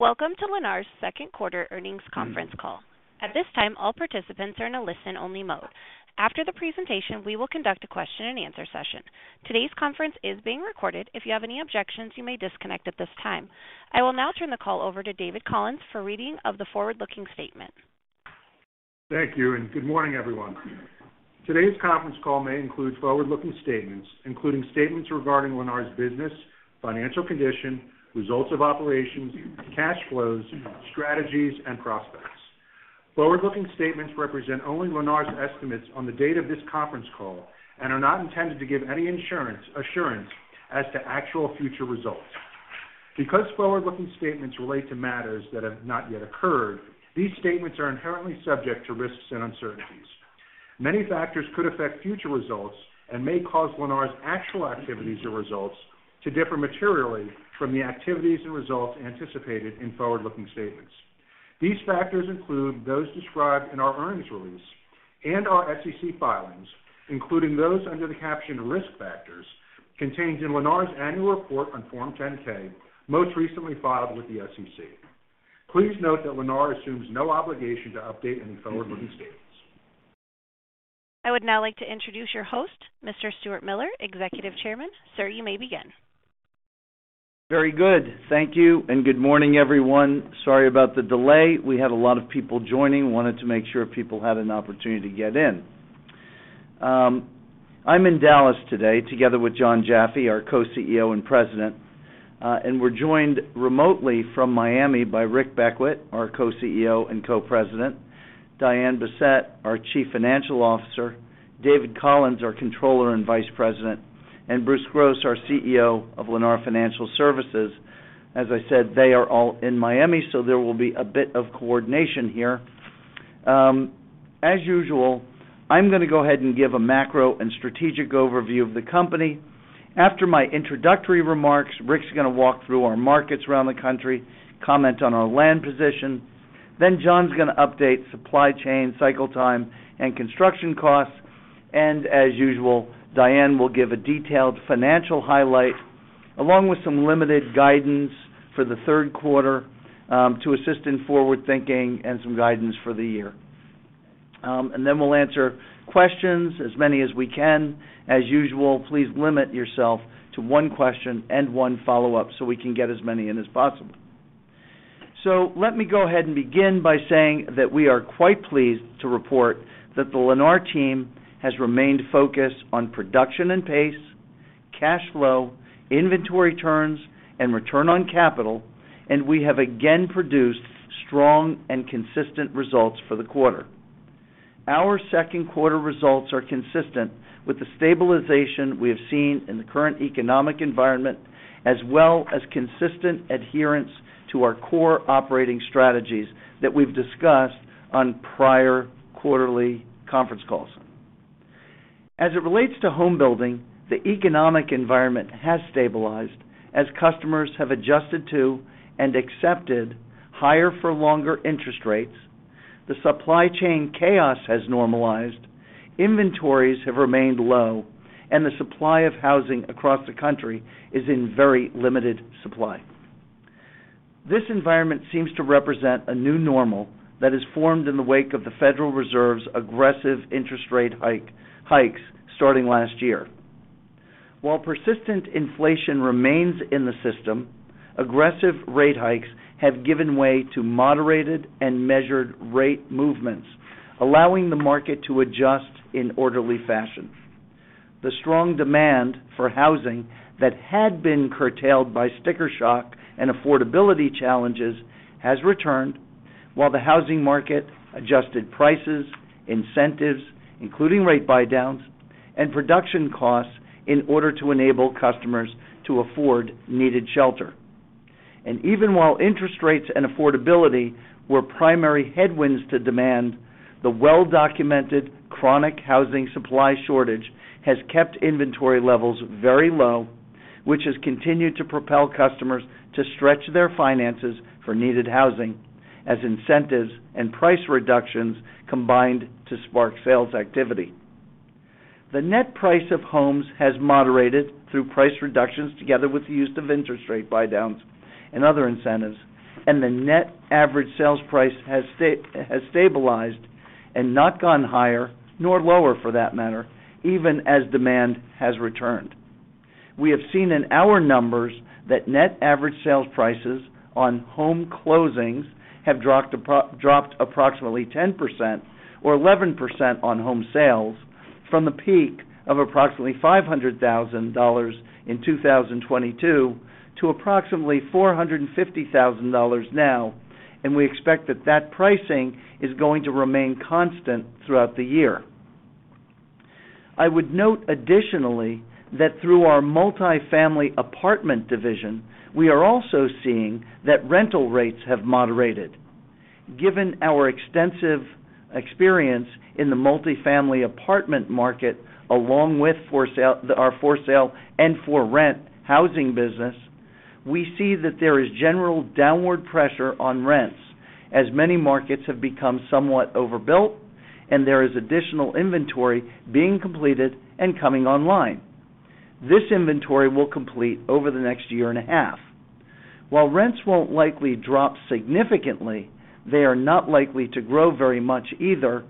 Welcome to Lennar's second quarter earnings conference call. At this time, all participants are in a listen-only mode. After the presentation, we will conduct a question-and-answer session. Today's conference is being recorded. If you have any objections, you may disconnect at this time. I will now turn the call over to David Collins for reading of the forward-looking statement. Thank you. Good morning, everyone. Today's conference call may include forward-looking statements, including statements regarding Lennar's business, financial condition, results of operations, cash flows, strategies, and prospects. Forward-looking statements represent only Lennar's estimates on the date of this conference call and are not intended to give any assurance as to actual future results. Because forward-looking statements relate to matters that have not yet occurred, these statements are inherently subject to risks and uncertainties. Many factors could affect future results and may cause Lennar's actual activities or results to differ materially from the activities and results anticipated in forward-looking statements. These factors include those described in our earnings release and our SEC filings, including those under the caption Risk Factors contained in Lennar's annual report on Form 10-K, most recently filed with the SEC. Please note that Lennar assumes no obligation to update any forward-looking statements. I would now like to introduce your host, Mr. Stuart Miller, Executive Chairman. Sir, you may begin. Very good. Thank you, and good morning, everyone. Sorry about the delay. We had a lot of people joining. Wanted to make sure people had an opportunity to get in. I'm in Dallas today, together with Jon Jaffe, our Co-CEO and President, and we're joined remotely from Miami by Rick Beckwitt, our Co-CEO and Co-President, Diane Bessette, our Chief Financial Officer, David Collins, our Controller and Vice President, and Bruce Gross, our CEO of Lennar Financial Services. As I said, they are all in Miami. There will be a bit of coordination here. As usual, I'm gonna go ahead and give a macro and strategic overview of the company. After my introductory remarks, Rick is gonna walk through our markets around the country, comment on our land position. Jon's gonna update supply chain, cycle time, and construction costs. As usual, Diane will give a detailed financial highlight, along with some limited guidance for the third quarter, to assist in forward-thinking and some guidance for the year. We'll answer questions, as many as we can. As usual, please limit yourself to one question and one follow-up so we can get as many in as possible. Let me go ahead and begin by saying that we are quite pleased to report that the Lennar team has remained focused on production and pace, cash flow, inventory turns, and return on capital, and we have again produced strong and consistent results for the quarter. Our second quarter results are consistent with the stabilization we have seen in the current economic environment, as well as consistent adherence to our core operating strategies that we've discussed on prior quarterly conference calls. As it relates to home building, the economic environment has stabilized as customers have adjusted to and accepted higher-for-longer interest rates. The supply chain chaos has normalized, inventories have remained low, and the supply of housing across the country is in very limited supply. This environment seems to represent a new normal that is formed in the wake of the Federal Reserve's aggressive interest rate hike, hikes starting last year. While persistent inflation remains in the system, aggressive rate hikes have given way to moderated and measured rate movements, allowing the market to adjust in orderly fashion. The strong demand for housing that had been curtailed by sticker shock and affordability challenges has returned, while the housing market adjusted prices, incentives, including rate buydowns and production costs, in order to enable customers to afford needed shelter. Even while interest rates and affordability were primary headwinds to demand, the well-documented chronic housing supply shortage has kept inventory levels very low, which has continued to propel customers to stretch their finances for needed housing as incentives and price reductions combined to spark sales activity. The net price of homes has moderated through price reductions together with the use of interest rate buydowns and other incentives, and the net average sales price has stabilized and not gone higher, nor lower for that matter, even as demand has returned. We have seen in our numbers that net average sales prices on home closings have dropped approximately 10% or 11% on home sales from a peak of approximately $500,000 in 2022 to approximately $450,000 now. We expect that that pricing is going to remain constant throughout the year. I would note additionally that through our multifamily apartment division, we are also seeing that rental rates have moderated. Given our extensive experience in the multifamily apartment market, along with our for-sale and for-rent housing business, we see that there is general downward pressure on rents as many markets have become somewhat overbuilt and there is additional inventory being completed and coming online. This inventory will complete over the next year and a half. While rents won't likely drop significantly, they are not likely to grow very much either.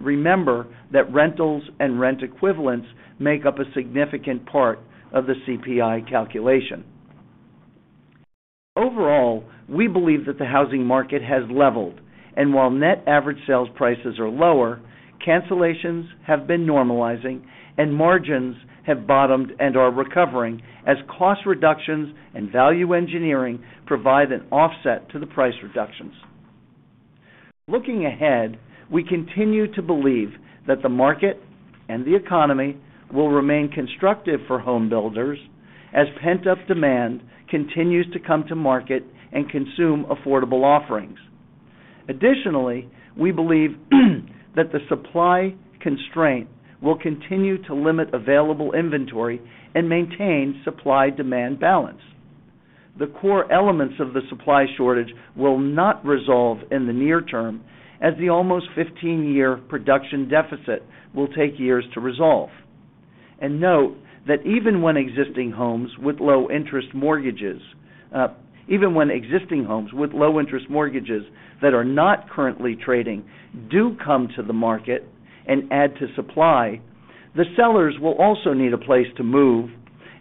Remember that rentals and rent equivalents make up a significant part of the CPI calculation. Overall, we believe that the housing market has leveled, and while net average sales prices are lower, cancellations have been normalizing and margins have bottomed and are recovering as cost reductions and value engineering provide an offset to the price reductions. Looking ahead, we continue to believe that the market and the economy will remain constructive for home builders as pent-up demand continues to come to market and consume affordable offerings. Additionally, we believe, that the supply constraint will continue to limit available inventory and maintain supply-demand balance. The core elements of the supply shortage will not resolve in the near term, as the almost 15-year production deficit will take years to resolve. Note that even when existing homes with low-interest mortgages that are not currently trading do come to the market and add to supply, the sellers will also need a place to move,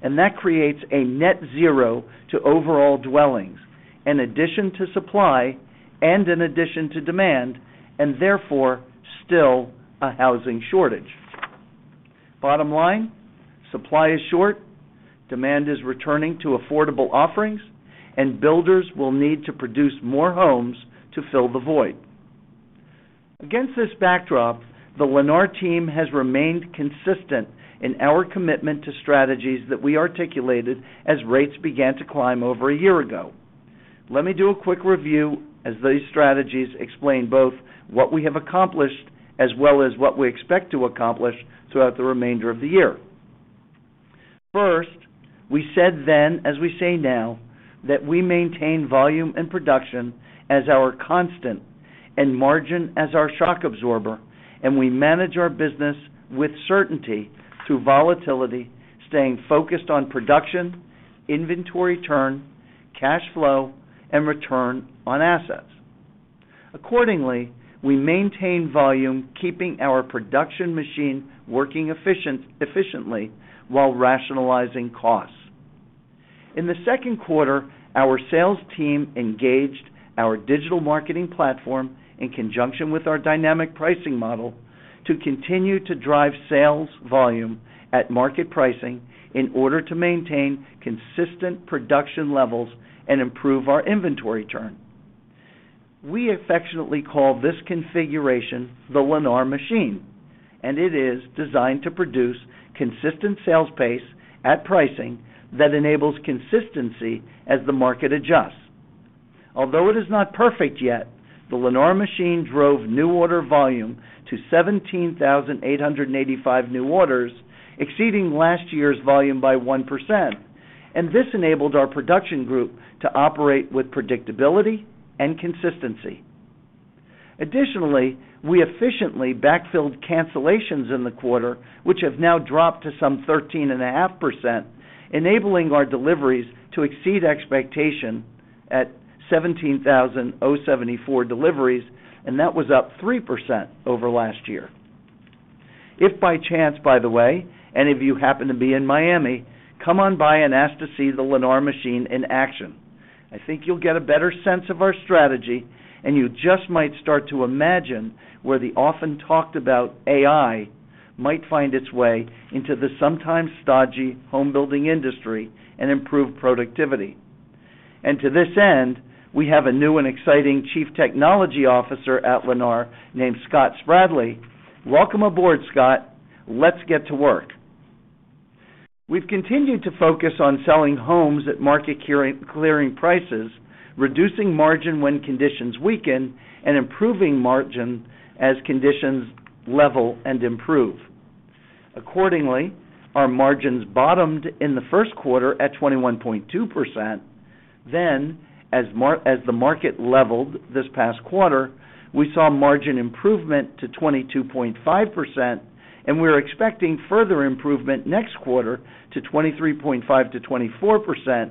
and that creates a net zero to overall dwellings, an addition to supply and an addition to demand, and therefore, still a housing shortage. Bottom line, supply is short, demand is returning to affordable offerings, and builders will need to produce more homes to fill the void. Against this backdrop, the Lennar team has remained consistent in our commitment to strategies that we articulated as rates began to climb over a year ago. Let me do a quick review as these strategies explain both what we have accomplished as well as what we expect to accomplish throughout the remainder of the year. First, we said then, as we say now, that we maintain volume and production as our constant and margin as our shock absorber. We manage our business with certainty through volatility, staying focused on production, inventory turn, cash flow, and return on assets. Accordingly, we maintain volume, keeping our production machine working efficiently while rationalizing costs. In the second quarter, our sales team engaged our digital marketing platform in conjunction with our dynamic pricing model to continue to drive sales volume at market pricing in order to maintain consistent production levels and improve our inventory turn. We affectionately call this configuration the Lennar Machine. It is designed to produce consistent sales pace at pricing that enables consistency as the market adjusts. Although it is not perfect yet, the Lennar Machine drove new order volume to 17,885 new orders, exceeding last year's volume by 1%, and this enabled our production group to operate with predictability and consistency. Additionally, we efficiently backfilled cancellations in the quarter, which have now dropped to some 13.5%, enabling our deliveries to exceed expectation at 17,074 deliveries, and that was up 3% over last year. If by chance, by the way, any of you happen to be in Miami, come on by and ask to see the Lennar Machine in action. I think you'll get a better sense of our strategy, and you just might start to imagine where the often talked about AI might find its way into the sometimes stodgy home building industry and improve productivity. To this end, we have a new and exciting Chief Technology Officer at Lennar named Scott Spradley. Welcome aboard, Scott. Let's get to work. We've continued to focus on selling homes at market clearing prices, reducing margin when conditions weaken, and improving margin as conditions level and improve. Accordingly, our margins bottomed in the first quarter at 21.2%. As the market leveled this past quarter, we saw margin improvement to 22.5%, and we're expecting further improvement next quarter to 23.5%-24%,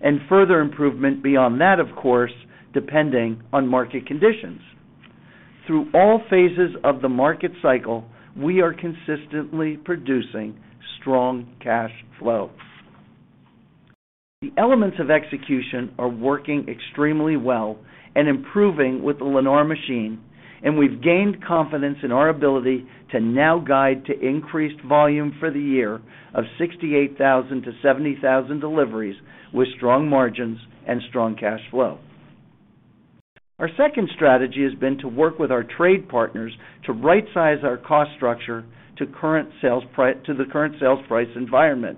and further improvement beyond that, of course, depending on market conditions. Through all phases of the market cycle, we are consistently producing strong cash flow. The elements of execution are working extremely well and improving with the Lennar machine, and we've gained confidence in our ability to now guide to increased volume for the year of 68,000-70,000 deliveries, with strong margins and strong cash flow. Our second strategy has been to work with our trade partners to rightsize our cost structure to current sales price environment,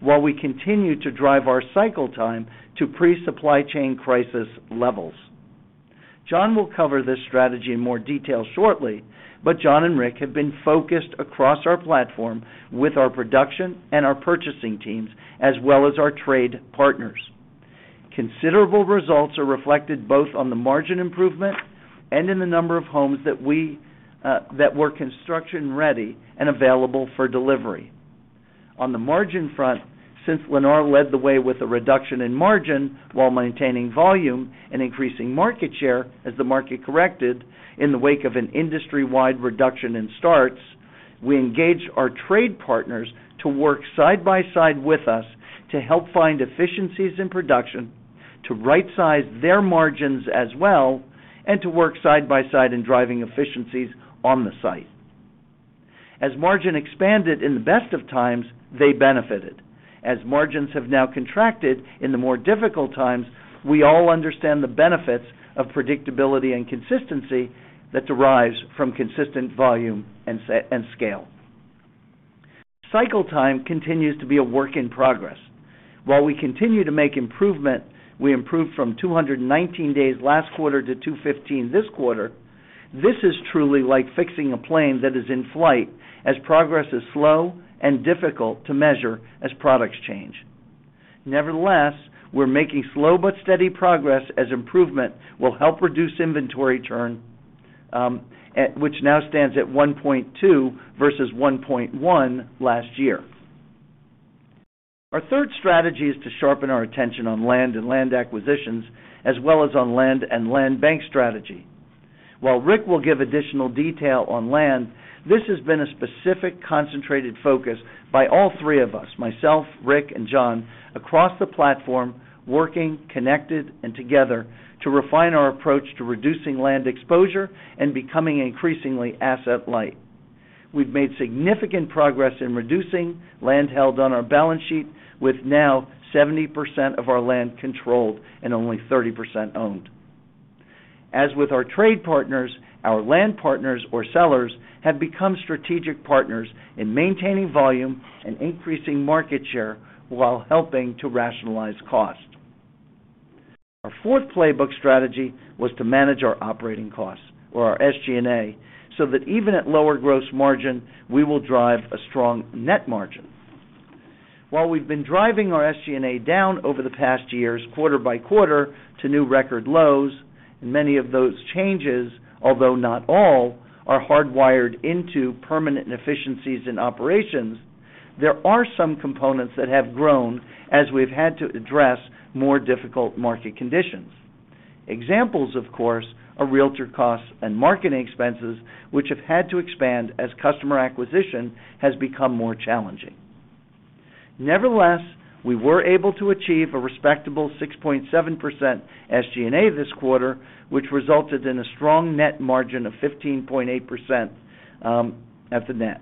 while we continue to drive our cycle time to pre-supply chain crisis levels. Jon will cover this strategy in more detail shortly, but Jon and Rick have been focused across our platform with our production and our purchasing teams, as well as our trade partners. Considerable results are reflected both on the margin improvement and in the number of homes that we that were construction-ready and available for delivery. On the margin front, since Lennar led the way with a reduction in margin while maintaining volume and increasing market share as the market corrected in the wake of an industry-wide reduction in starts, we engaged our trade partners to work side by side with us to help find efficiencies in production, to rightsize their margins as well, and to work side by side in driving efficiencies on the site. As margin expanded in the best of times, they benefited. As margins have now contracted in the more difficult times, we all understand the benefits of predictability and consistency that derives from consistent volume and scale. Cycle time continues to be a work in progress. While we continue to make improvement, we improved from 219 days last quarter to 215 this quarter. This is truly like fixing a plane that is in flight, as progress is slow and difficult to measure as products change. Nevertheless, we're making slow but steady progress as improvement will help reduce inventory turn, which now stands at 1.2 versus 1.1 last year. Our third strategy is to sharpen our attention on land and land acquisitions, as well as on land and land bank strategy. While Rick will give additional detail on land, this has been a specific, concentrated focus by all three of us, myself, Rick, and Jon, across the platform, working connected and together to refine our approach to reducing land exposure and becoming increasingly asset light. We've made significant progress in reducing land held on our balance sheet, with now 70% of our land controlled and only 30% owned. As with our trade partners, our land partners or sellers have become strategic partners in maintaining volume and increasing market share while helping to rationalize cost. Our fourth playbook strategy was to manage our operating costs or our SG&A, so that even at lower gross margin, we will drive a strong net margin. While we've been driving our SG&A down over the past years, quarter by quarter, to new record lows, many of those changes, although not all, are hardwired into permanent inefficiencies in operations, there are some components that have grown as we've had to address more difficult market conditions. Examples, of course, are realtor costs and marketing expenses, which have had to expand as customer acquisition has become more challenging. Nevertheless, we were able to achieve a respectable 6.7% SG&A this quarter, which resulted in a strong net margin of 15.8% at the net.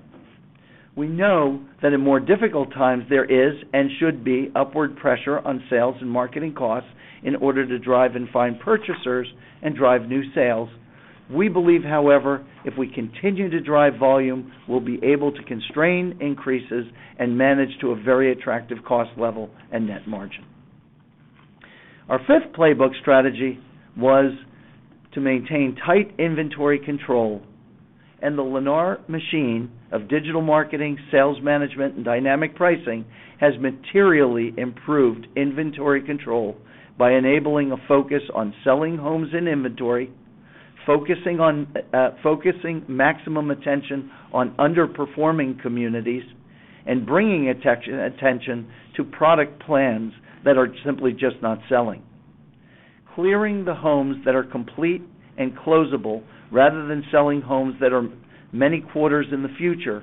We know that in more difficult times, there is and should be upward pressure on sales and marketing costs in order to drive and find purchasers and drive new sales. We believe, however, if we continue to drive volume, we'll be able to constrain increases and manage to a very attractive cost level and net margin. Our fifth playbook strategy was to maintain tight inventory control, and the Lennar machine of digital marketing, sales management, and dynamic pricing has materially improved inventory control by enabling a focus on selling homes and inventory, focusing maximum attention on underperforming communities, and bringing attention to product plans that are simply just not selling. Clearing the homes that are complete and closable rather than selling homes that are many quarters in the future,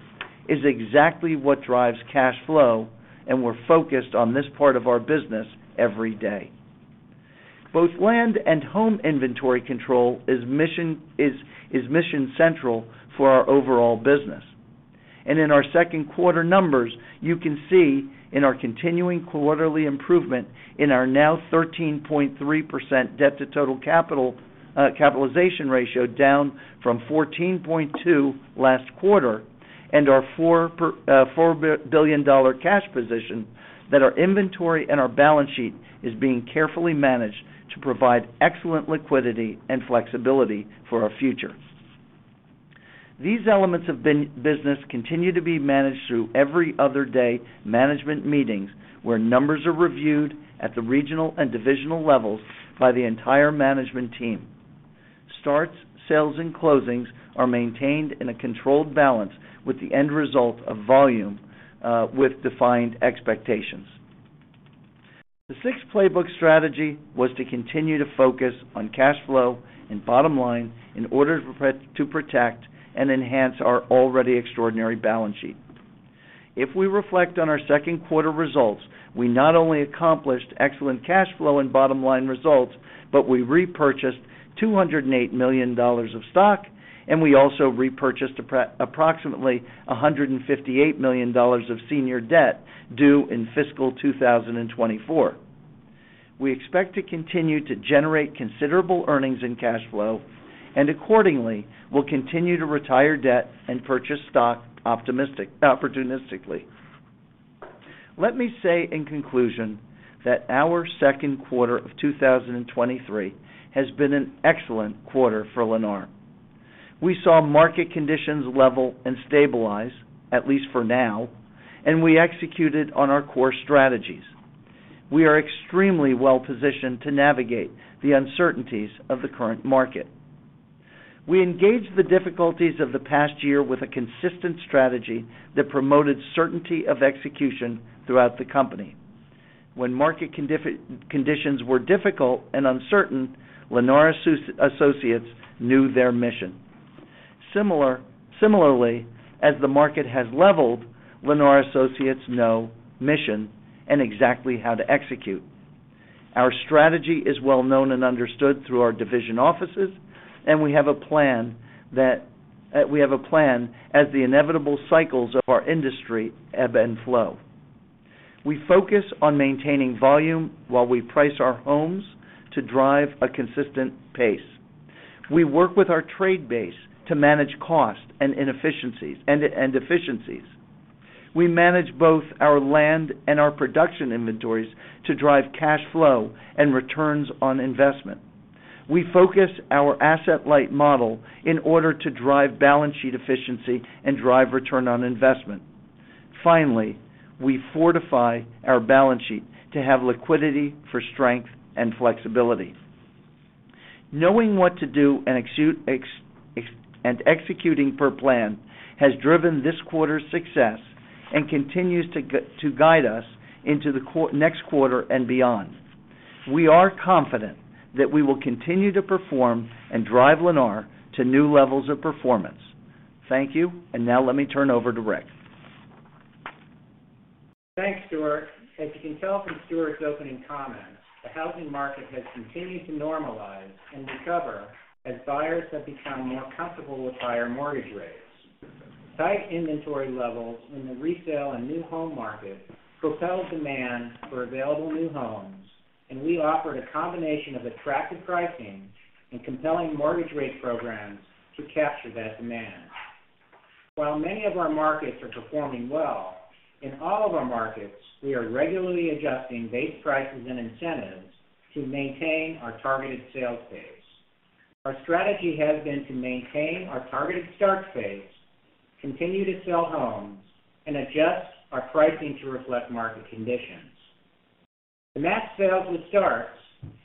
is exactly what drives cash flow, and we're focused on this part of our business every day. Both land and home inventory control is mission central for our overall business. In our Q2 numbers, you can see in our continuing quarterly improvement in our now 13.3% debt to total capital capitalization ratio, down from 14.2 last quarter, and our $4 billion cash position, that our inventory and our balance sheet is being carefully managed to provide excellent liquidity and flexibility for our future. These elements of business continue to be managed through every other day management meetings, where numbers are reviewed at the regional and divisional levels by the entire management team. Starts, sales, and closings are maintained in a controlled balance with the end result of volume, with defined expectations. The sixth playbook strategy was to continue to focus on cash flow and bottom line in order to protect and enhance our already extraordinary balance sheet. If we reflect on our second quarter results, we not only accomplished excellent cash flow and bottom-line results, but we repurchased $208 million of stock, and we also repurchased approximately $158 million of senior debt due in fiscal 2024. We expect to continue to generate considerable earnings and cash flow, and accordingly, we'll continue to retire debt and purchase stock opportunistically. Let me say in conclusion, that our second quarter of 2023 has been an excellent quarter for Lennar. We saw market conditions level and stabilize, at least for now, and we executed on our core strategies. We are extremely well-positioned to navigate the uncertainties of the current market. We engaged the difficulties of the past year with a consistent strategy that promoted certainty of execution throughout the company. When market conditions were difficult and uncertain, Lennar associates knew their mission. Similarly, as the market has leveled, Lennar associates know mission and exactly how to execute. Our strategy is well known and understood through our division offices, and we have a plan that, we have a plan as the inevitable cycles of our industry ebb and flow. We focus on maintaining volume while we price our homes to drive a consistent pace. We work with our trade base to manage cost and efficiencies. We manage both our land and our production inventories to drive cash flow and returns on investment. We focus our asset-light model in order to drive balance sheet efficiency and drive return on investment. Finally, we fortify our balance sheet to have liquidity for strength and flexibility. Knowing what to do and execute, and executing per plan has driven this quarter's success and continues to guide us into the next quarter and beyond. We are confident that we will continue to perform and drive Lennar to new levels of performance. Thank you, and now let me turn over to Rick. Thanks, Stuart. As you can tell from Stuart's opening comments, the housing market has continued to normalize and recover as buyers have become more comfortable with higher mortgage rates. Tight inventory levels in the resale and new home market propel demand for available new homes, we offered a combination of attractive pricing and compelling mortgage rate programs to capture that demand. While many of our markets are performing well, in all of our markets, we are regularly adjusting base prices and incentives to maintain our targeted sales pace. Our strategy has been to maintain our targeted start pace, continue to sell homes, and adjust our pricing to reflect market conditions. To match sales with starts,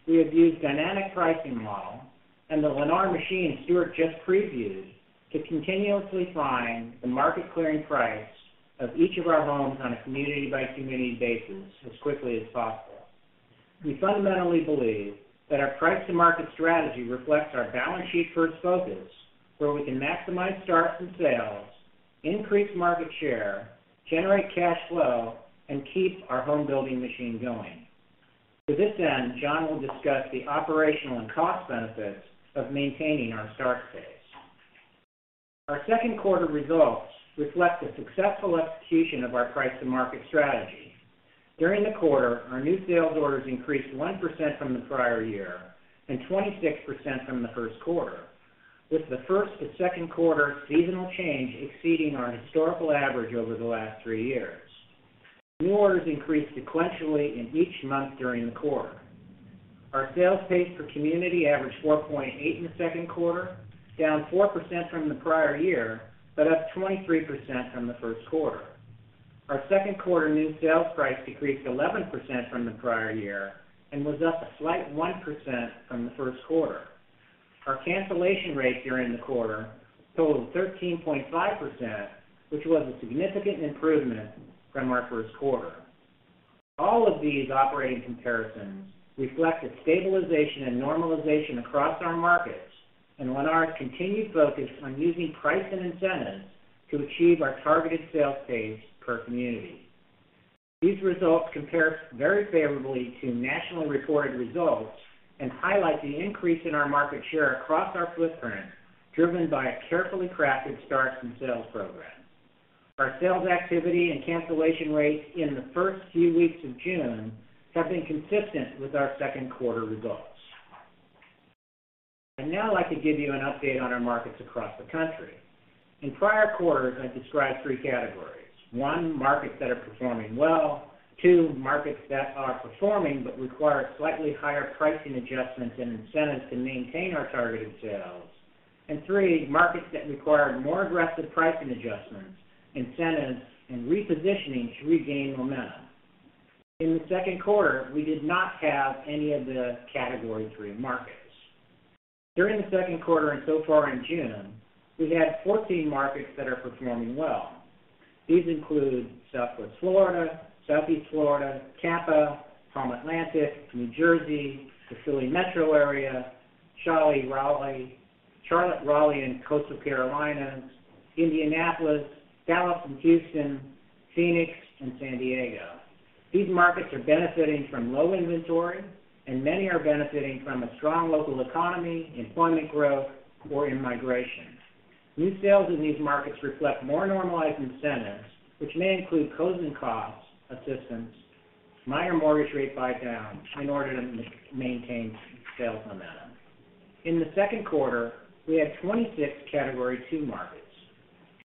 we have used dynamic pricing model and the Lennar machine Stuart just previewed to continuously find the market clearing price of each of our homes on a community-by-community basis as quickly as possible. We fundamentally believe that our price to market strategy reflects our balance sheet-first focus, where we can maximize starts and sales, increase market share, generate cash flow, and keep our homebuilding machine going. To this end, Jon will discuss the operational and cost benefits of maintaining our start pace. Our second quarter results reflect the successful execution of our price to market strategy. During the quarter, our new sales orders increased 1% from the prior year and 26% from the first quarter, with the first to second quarter seasonal change exceeding our historical average over the last three years. New orders increased sequentially in each month during the quarter. Our sales pace per community averaged 4.8 in the second quarter, down 4% from the prior year, but up 23% from the first quarter. Our second quarter new sales price decreased 11% from the prior year and was up a slight 1% from the first quarter. Our cancellation rate during the quarter totaled 13.5%, which was a significant improvement from our first quarter. All of these operating comparisons reflect a stabilization and normalization across our markets, and Lennar's continued focus on using price and incentives to achieve our targeted sales pace per community. These results compare very favorably to nationally reported results and highlight the increase in our market share across our footprint, driven by a carefully crafted starts and sales program. Our sales activity and cancellation rates in the first few weeks of June have been consistent with our second quarter results. I'd now like to give you an update on our markets across the country. In prior quarters, I described three categories: One, markets that are performing well. Two, markets that are performing but require slightly higher pricing adjustments and incentives to maintain our targeted sales, and three, markets that require more aggressive pricing adjustments, incentives, and repositioning to regain momentum. In the second quarter, we did not have any of the category three markets. During the second quarter and so far in June, we've had 14 markets that are performing well. These include Southwest Florida, Southeast Florida, Tampa, Palm Atlantic, New Jersey, Philly Metro Area, Charlotte, Raleigh, and Coastal Carolinas, Indianapolis, Dallas, and Houston, Phoenix, and San Diego. These markets are benefiting from low inventory, and many are benefiting from a strong local economy, employment growth, or in migration. New sales in these markets reflect more normalized incentives, which may include closing costs, assistance, minor mortgage rate buydowns in order to maintain sales momentum. In the second quarter, we had 26 Category Two markets.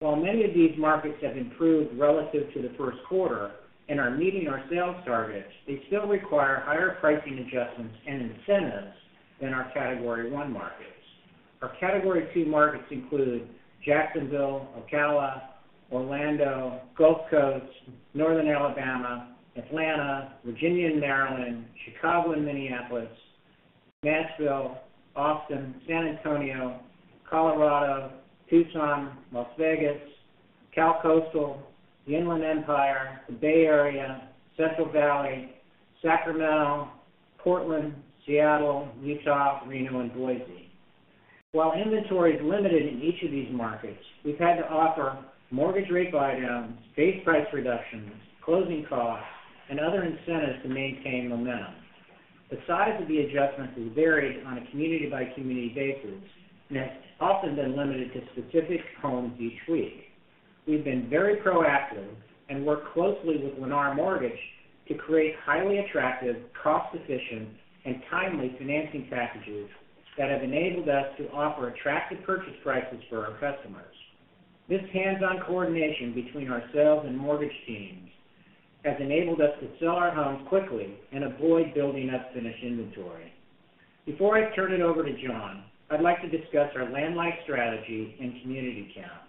Many of these markets have improved relative to the first quarter and are meeting our sales targets, they still require higher pricing adjustments and incentives than our Category One markets. Our Category Two markets include Jacksonville, Ocala, Orlando, Gulf Coast, Northern Alabama, Atlanta, Virginia and Maryland, Chicago and Minneapolis, Nashville, Austin, San Antonio, Colorado, Tucson, Las Vegas, Cal Coastal, the Inland Empire, the Bay Area, Central Valley, Sacramento, Portland, Seattle, Utah, Reno, and Boise. Inventory is limited in each of these markets, we've had to offer mortgage rate buydowns, base price reductions, closing costs, and other incentives to maintain momentum. The size of the adjustments has varied on a community-by-community basis, and has often been limited to specific homes each week. We've been very proactive and worked closely with Lennar Mortgage to create highly attractive, cost-efficient, and timely financing packages that have enabled us to offer attractive purchase prices for our customers. This hands-on coordination between our sales and mortgage teams has enabled us to sell our homes quickly and avoid building up finished inventory. Before I turn it over to Jon, I'd like to discuss our land life strategy and community count.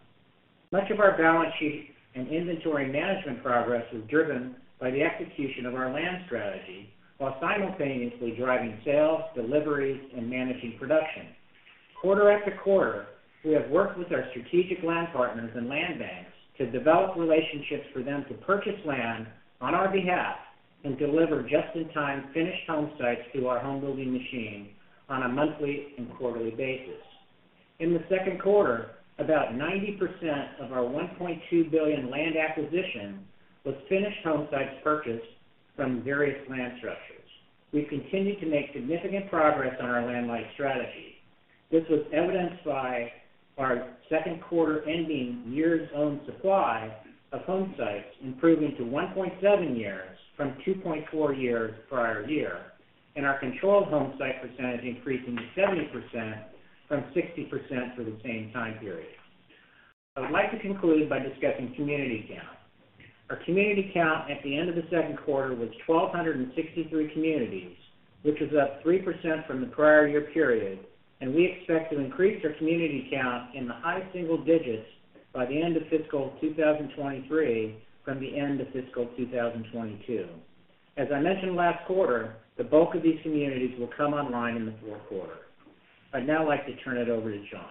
Much of our balance sheet and inventory management progress is driven by the execution of our land strategy, while simultaneously driving sales, deliveries, and managing production. Quarter after quarter, we have worked with our strategic land partners and land banks to develop relationships for them to purchase land on our behalf and deliver just-in-time finished home sites to our Lennar machine on a monthly and quarterly basis. In the second quarter, about 90% of our $1.2 billion land acquisition was finished home sites purchased from various land structures. We've continued to make significant progress on our land life strategy. This was evidenced by our second quarter ending years-owned supply of home sites, improving to 1.7 years from 2.4 years prior year, and our controlled home site percentage increasing to 70% from 60% for the same time period. I would like to conclude by discussing community count. Our community count at the end of the second quarter was 1,263 communities, which is up 3% from the prior year period. We expect to increase our community count in the high single digits by the end of fiscal 2023 from the end of fiscal 2022. As I mentioned last quarter, the bulk of these communities will come online in the fourth quarter. I'd now like to turn it over to Jon.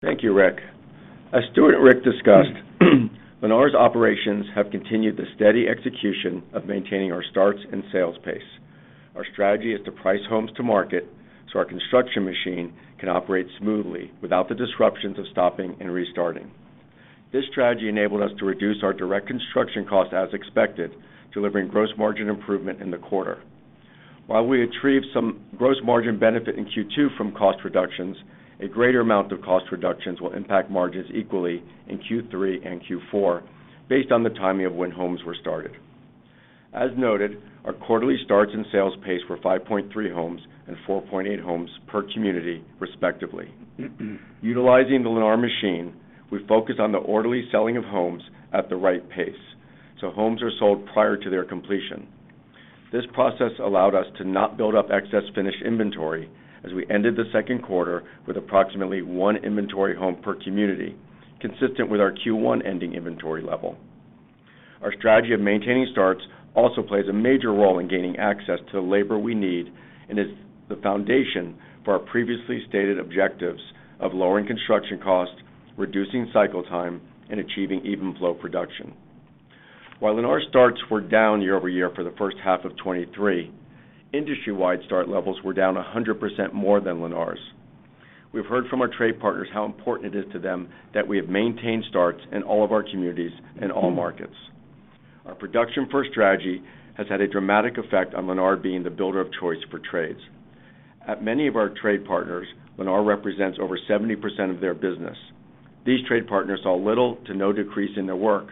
Thank you, Rick. As Stuart and Rick discussed, Lennar's operations have continued the steady execution of maintaining our starts and sales pace. Our strategy is to price homes to market, so our construction machine can operate smoothly without the disruptions of stopping and restarting. This strategy enabled us to reduce our direct construction cost as expected, delivering gross margin improvement in the quarter. While we retrieved some gross margin benefit in Q2 from cost reductions, a greater amount of cost reductions will impact margins equally in Q3 and Q4, based on the timing of when homes were started. As noted, our quarterly starts and sales pace were 5.3 homes and 4.8 homes per community, respectively. Utilizing the Lennar machine, we focus on the orderly selling of homes at the right pace, so homes are sold prior to their completion. This process allowed us to not build up excess finished inventory as we ended the second quarter with approximately one inventory home per community, consistent with our Q1 ending inventory level. Our strategy of maintaining starts also plays a major role in gaining access to the labor we need, and is the foundation for our previously stated objectives of lowering construction costs, reducing cycle time, and achieving even flow production. While Lennar starts were down year-over-year for the first half of 2023, industry-wide start levels were down 100% more than Lennar's. We've heard from our trade partners how important it is to them that we have maintained starts in all of our communities in all markets. Our production-first strategy has had a dramatic effect on Lennar being the builder of choice for trades. At many of our trade partners, Lennar represents over 70% of their business. These trade partners saw little to no decrease in their work,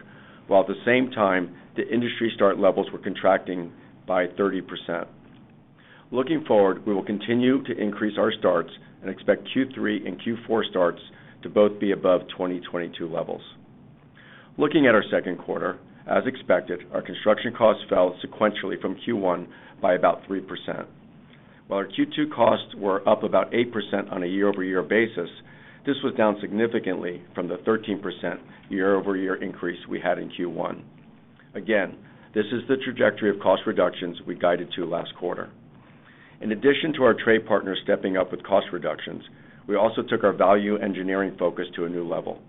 while at the same time, the industry start levels were contracting by 30%. Looking forward, we will continue to increase our starts and expect Q3 and Q4 starts to both be above 2022 levels. Looking at our second quarter, as expected, our construction costs fell sequentially from Q1 by about 3%. While our Q2 costs were up about 8% on a year-over-year basis, this was down significantly from the 13% year-over-year increase we had in Q1. This is the trajectory of cost reductions we guided to last quarter. In addition to our trade partners stepping up with cost reductions, we also took our value engineering focus to a new level.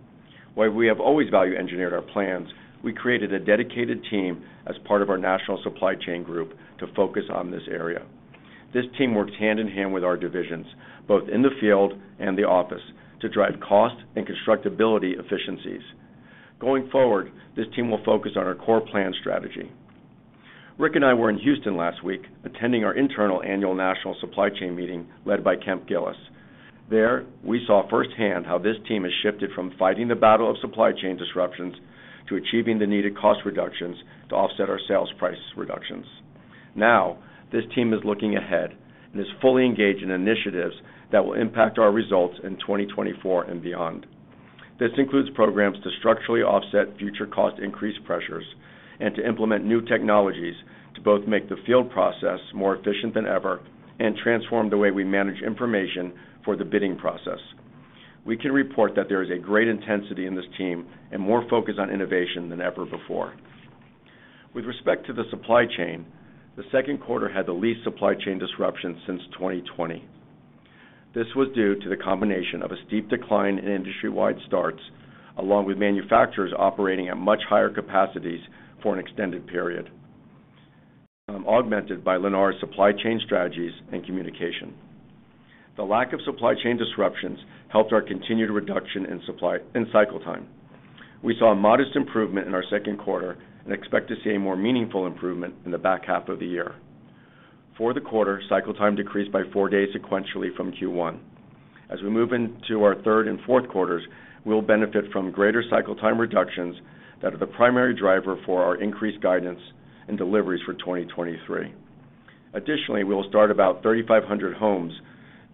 While we have always value engineered our plans, we created a dedicated team as part of our national supply chain group to focus on this area. This team works hand-in-hand with our divisions, both in the field and the office, to drive cost and constructability efficiencies. Going forward, this team will focus on our core plan strategy. Rick and I were in Houston last week, attending our internal annual national supply chain meeting, led by Kemp Gillis. There, we saw firsthand how this team has shifted from fighting the battle of supply chain disruptions to achieving the needed cost reductions to offset our sales price reductions. This team is looking ahead and is fully engaged in initiatives that will impact our results in 2024 and beyond. This includes programs to structurally offset future cost increase pressures and to implement new technologies to both make the field process more efficient than ever and transform the way we manage information for the bidding process. We can report that there is a great intensity in this team and more focus on innovation than ever before. With respect to the supply chain, the second quarter had the least supply chain disruption since 2020. This was due to the combination of a steep decline in industry-wide starts, along with manufacturers operating at much higher capacities for an extended period, augmented by Lennar's supply chain strategies and communication. The lack of supply chain disruptions helped our continued reduction in cycle time. We saw a modest improvement in our second quarter and expect to see a more meaningful improvement in the back half of the year. For the quarter, cycle time decreased by four days sequentially from Q1. As we move into our third and fourth quarters, we'll benefit from greater cycle time reductions that are the primary driver for our increased guidance and deliveries for 2023. We will start about 3,500 homes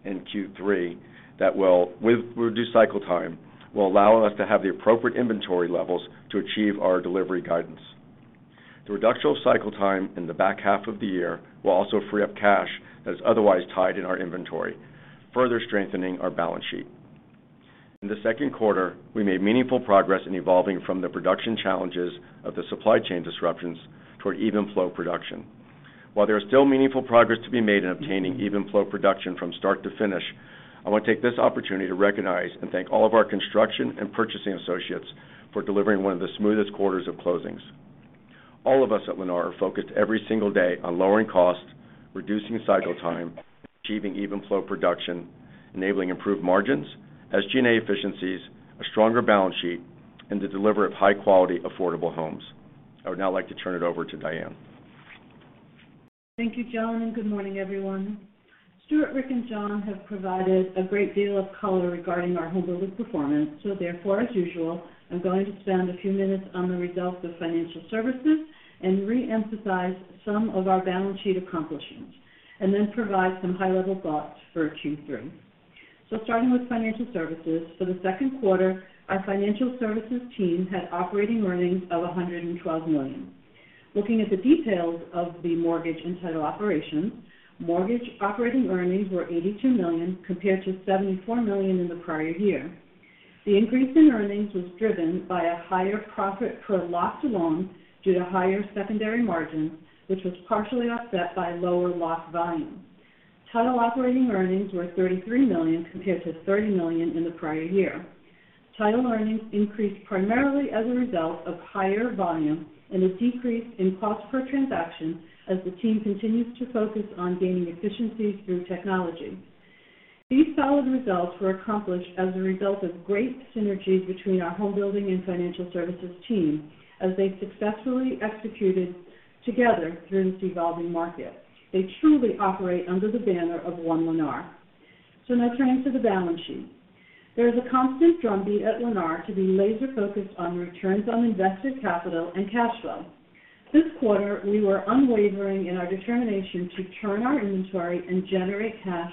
in Q3 that will, with reduced cycle time, allow us to have the appropriate inventory levels to achieve our delivery guidance. The reduction of cycle time in the back half of the year will also free up cash that is otherwise tied in our inventory, further strengthening our balance sheet. In the second quarter, we made meaningful progress in evolving from the production challenges of the supply chain disruptions toward even flow production. While there is still meaningful progress to be made in obtaining even flow production from start to finish, I want to take this opportunity to recognize and thank all of our construction and purchasing associates for delivering one of the smoothest quarters of closings. All of us at Lennar are focused every single day on lowering costs, reducing cycle time, achieving even flow production, enabling improved margins, SG&A efficiencies, a stronger balance sheet, and the delivery of high-quality, affordable homes. I would now like to turn it over to Diane. Thank you, Jon. Good morning, everyone. Stuart, Rick, and Jon have provided a great deal of color regarding our homebuilding performance. Therefore, as usual, I'm going to spend a few minutes on the results of financial services and reemphasize some of our balance sheet accomplishments, and then provide some high-level thoughts for Q3. Starting with financial services, for second quarter, our financial services team had operating earnings of $112 million. Looking at the details of the mortgage and title operations, mortgage operating earnings were $82 million, compared to $74 million in the prior year. The increase in earnings was driven by a higher profit per locked loan due to higher secondary margins, which was partially offset by lower locked volume. Title operating earnings were $33 million, compared to $30 million in the prior year. Title earnings increased primarily as a result of higher volume and a decrease in cost per transaction as the team continues to focus on gaining efficiencies through technology. These solid results were accomplished as a result of great synergies between our homebuilding and financial services team as they successfully executed together during this evolving market. They truly operate under the banner of One Lennar. Now turning to the balance sheet. There is a constant drumbeat at Lennar to be laser-focused on returns on invested capital and cash flow. This quarter, we were unwavering in our determination to turn our inventory and generate cash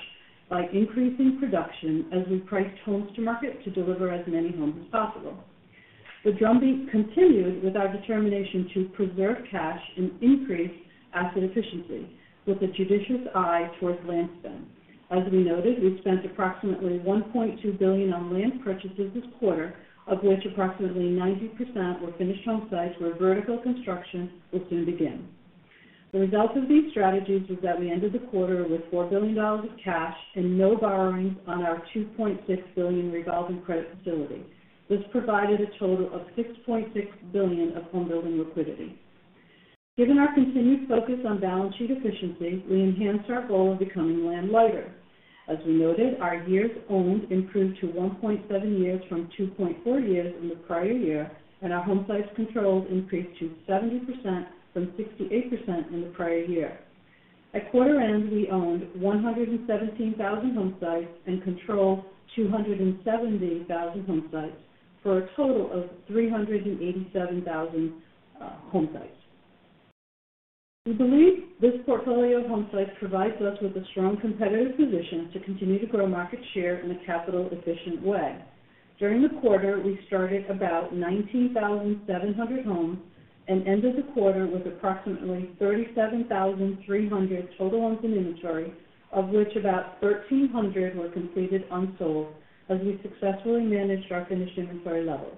by increasing production as we priced homes to market to deliver as many homes as possible. The drumbeat continued with our determination to preserve cash and increase asset efficiency with a judicious eye towards land spend. As we noted, we spent approximately $1.2 billion on land purchases this quarter, of which approximately 90% were finished home sites, where vertical construction will soon begin. The results of these strategies is that we ended the quarter with $4 billion of cash and no borrowings on our $2.6 billion revolving credit facility. This provided a total of $6.6 billion of homebuilding liquidity. Given our continued focus on balance sheet efficiency, we enhanced our goal of becoming land-lighter. As we noted, our years owned improved to 1.7 years from 2.4 years in the prior year, and our home sites controlled increased to 70% from 68% in the prior year. At quarter end, we owned 117,000 home sites and control 270,000 home sites, for a total of 387,000 home sites. We believe this portfolio of home sites provides us with a strong competitive position to continue to grow market share in a capital-efficient way. During the quarter, we started about 19,700 homes and ended the quarter with approximately 37,300 total homes in inventory, of which about 1,300 were completed unsold, as we successfully managed our finished inventory levels.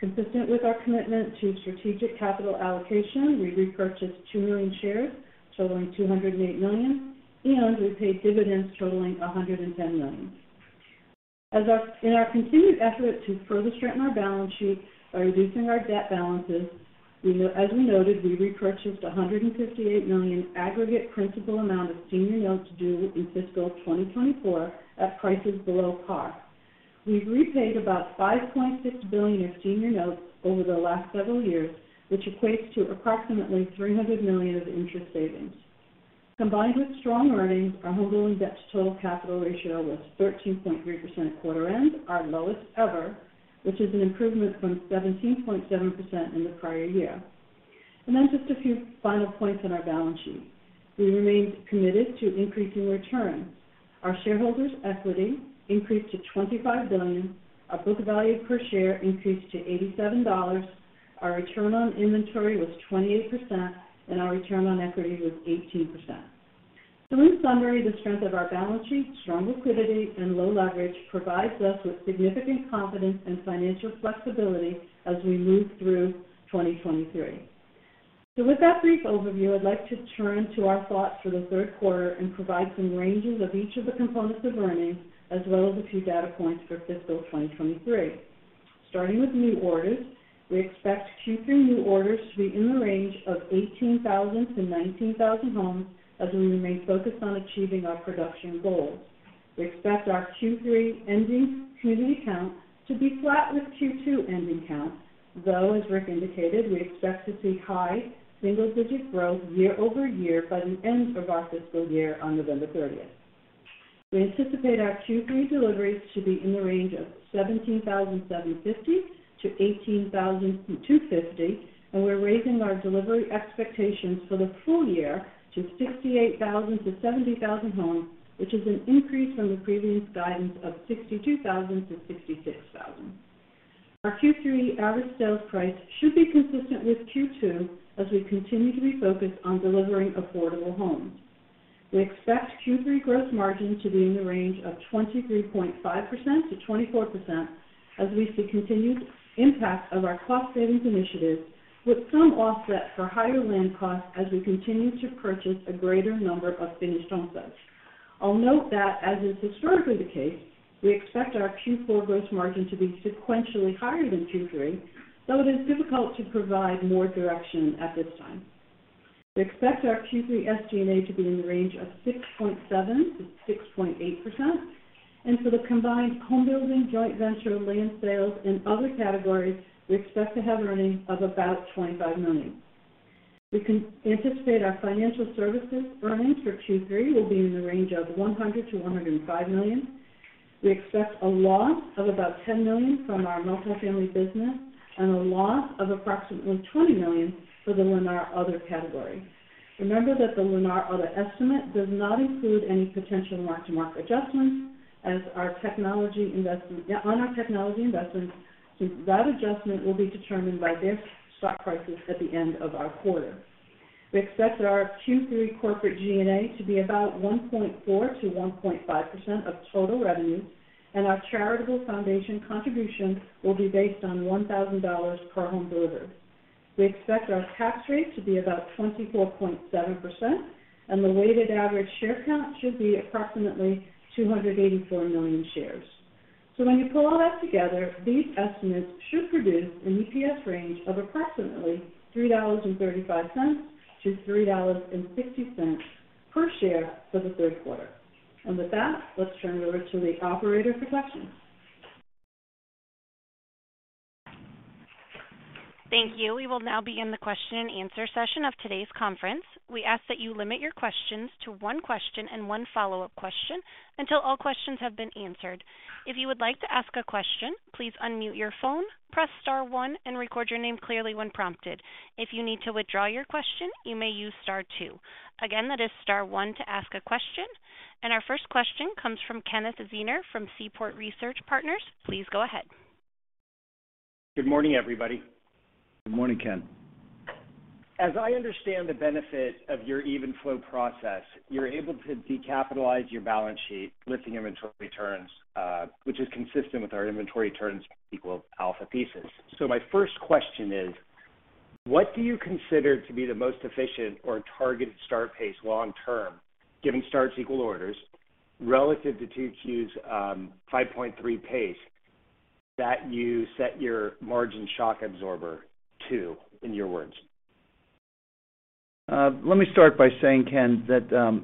Consistent with our commitment to strategic capital allocation, we repurchased $2 million shares, totaling $208 million, and we paid dividends totaling $110 million. In our continued effort to further strengthen our balance sheet by reducing our debt balances, as we noted, we repurchased $158 million aggregate principal amount of senior notes due in fiscal 2024 at prices below par. We've repaid about $5.6 billion of senior notes over the last several years, which equates to approximately $300 million of interest savings. Combined with strong earnings, our homebuilding debt to total capital ratio was 13.3% at quarter end, our lowest ever, which is an improvement from 17.7% in the prior year. Just a few final points on our balance sheet. We remain committed to increasing returns. Our shareholders' equity increased to $25 billion, our book value per share increased to $87, our return on inventory was 28%, and our return on equity was 18%. In summary, the strength of our balance sheet, strong liquidity, and low leverage provides us with significant confidence and financial flexibility as we move through 2023. With that brief overview, I'd like to turn to our thoughts for the third quarter and provide some ranges of each of the components of earnings, as well as a few data points for fiscal 2023. Starting with new orders, we expect Q3 new orders to be in the range of 18,000-19,000 homes as we remain focused on achieving our production goals. We expect our Q3 ending community count to be flat with Q2 ending count, though, as Rick indicated, we expect to see high single-digit growth year-over-year by the end of our fiscal year on November 30th. We anticipate our Q3 deliveries to be in the range of 17,750-18,250, and we're raising our delivery expectations for the full year to 68,000-70,000 homes, which is an increase from the previous guidance of 62,000-66,000. Our Q3 average sales price should be consistent with Q2 as we continue to be focused on delivering affordable homes. We expect Q3 gross margin to be in the range of 23.5%-24% as we see continued impact of our cost savings initiatives, with some offset for higher land costs as we continue to purchase a greater number of finished home sites. I'll note that, as is historically the case, we expect our Q4 gross margin to be sequentially higher than Q3, so it is difficult to provide more direction at this time. We expect our Q3 SG&A to be in the range of 6.7%-6.8%, and for the combined homebuilding, joint venture, land sales, and other categories, we expect to have earnings of about $25 million. We can anticipate our financial services earnings for Q3 will be in the range of $100-105 million. We expect a loss of about $10 million from our multifamily business and a loss of approximately $20 million for the Lennar other category. Remember that the Lennar other estimate does not include any potential mark-to-market adjustments as our technology investment on our technology investments, so that adjustment will be determined by their stock prices at the end of our quarter. We expect that our Q3 corporate G&A to be about 1.4%-1.5% of total revenue, and our charitable foundation contribution will be based on $1,000 per home delivered. We expect our tax rate to be about 24.7%, and the weighted average share count should be approximately $284 million shares. When you pull all that together, these estimates should produce an EPS range of approximately $3.35-3.60 per share for the third quarter. With that, let's turn it over to the operator for questions. Thank you. We will now begin the question-and-answer session of today's conference. We ask that you limit your questions to one question and one follow-up question until all questions have been answered. If you would like to ask a question, please unmute your phone, press star one, and record your name clearly when prompted. If you need to withdraw your question, you may use star two. Again, that is star one to ask a question. Our first question comes from Kenneth Zener from Seaport Research Partners. Please go ahead. Good morning, everybody. Good morning, Ken. As I understand the benefit of your Even Flow process, you're able to decapitalize your balance sheet, lifting inventory turns, which is consistent with our inventory turns equal alpha thesis. My first question is: What do you consider to be the most efficient or targeted start pace long term, given starts equal orders relative to Q2's 5.3 pace, that you set your margin shock absorber to, in your words? Let me start by saying, Ken, that,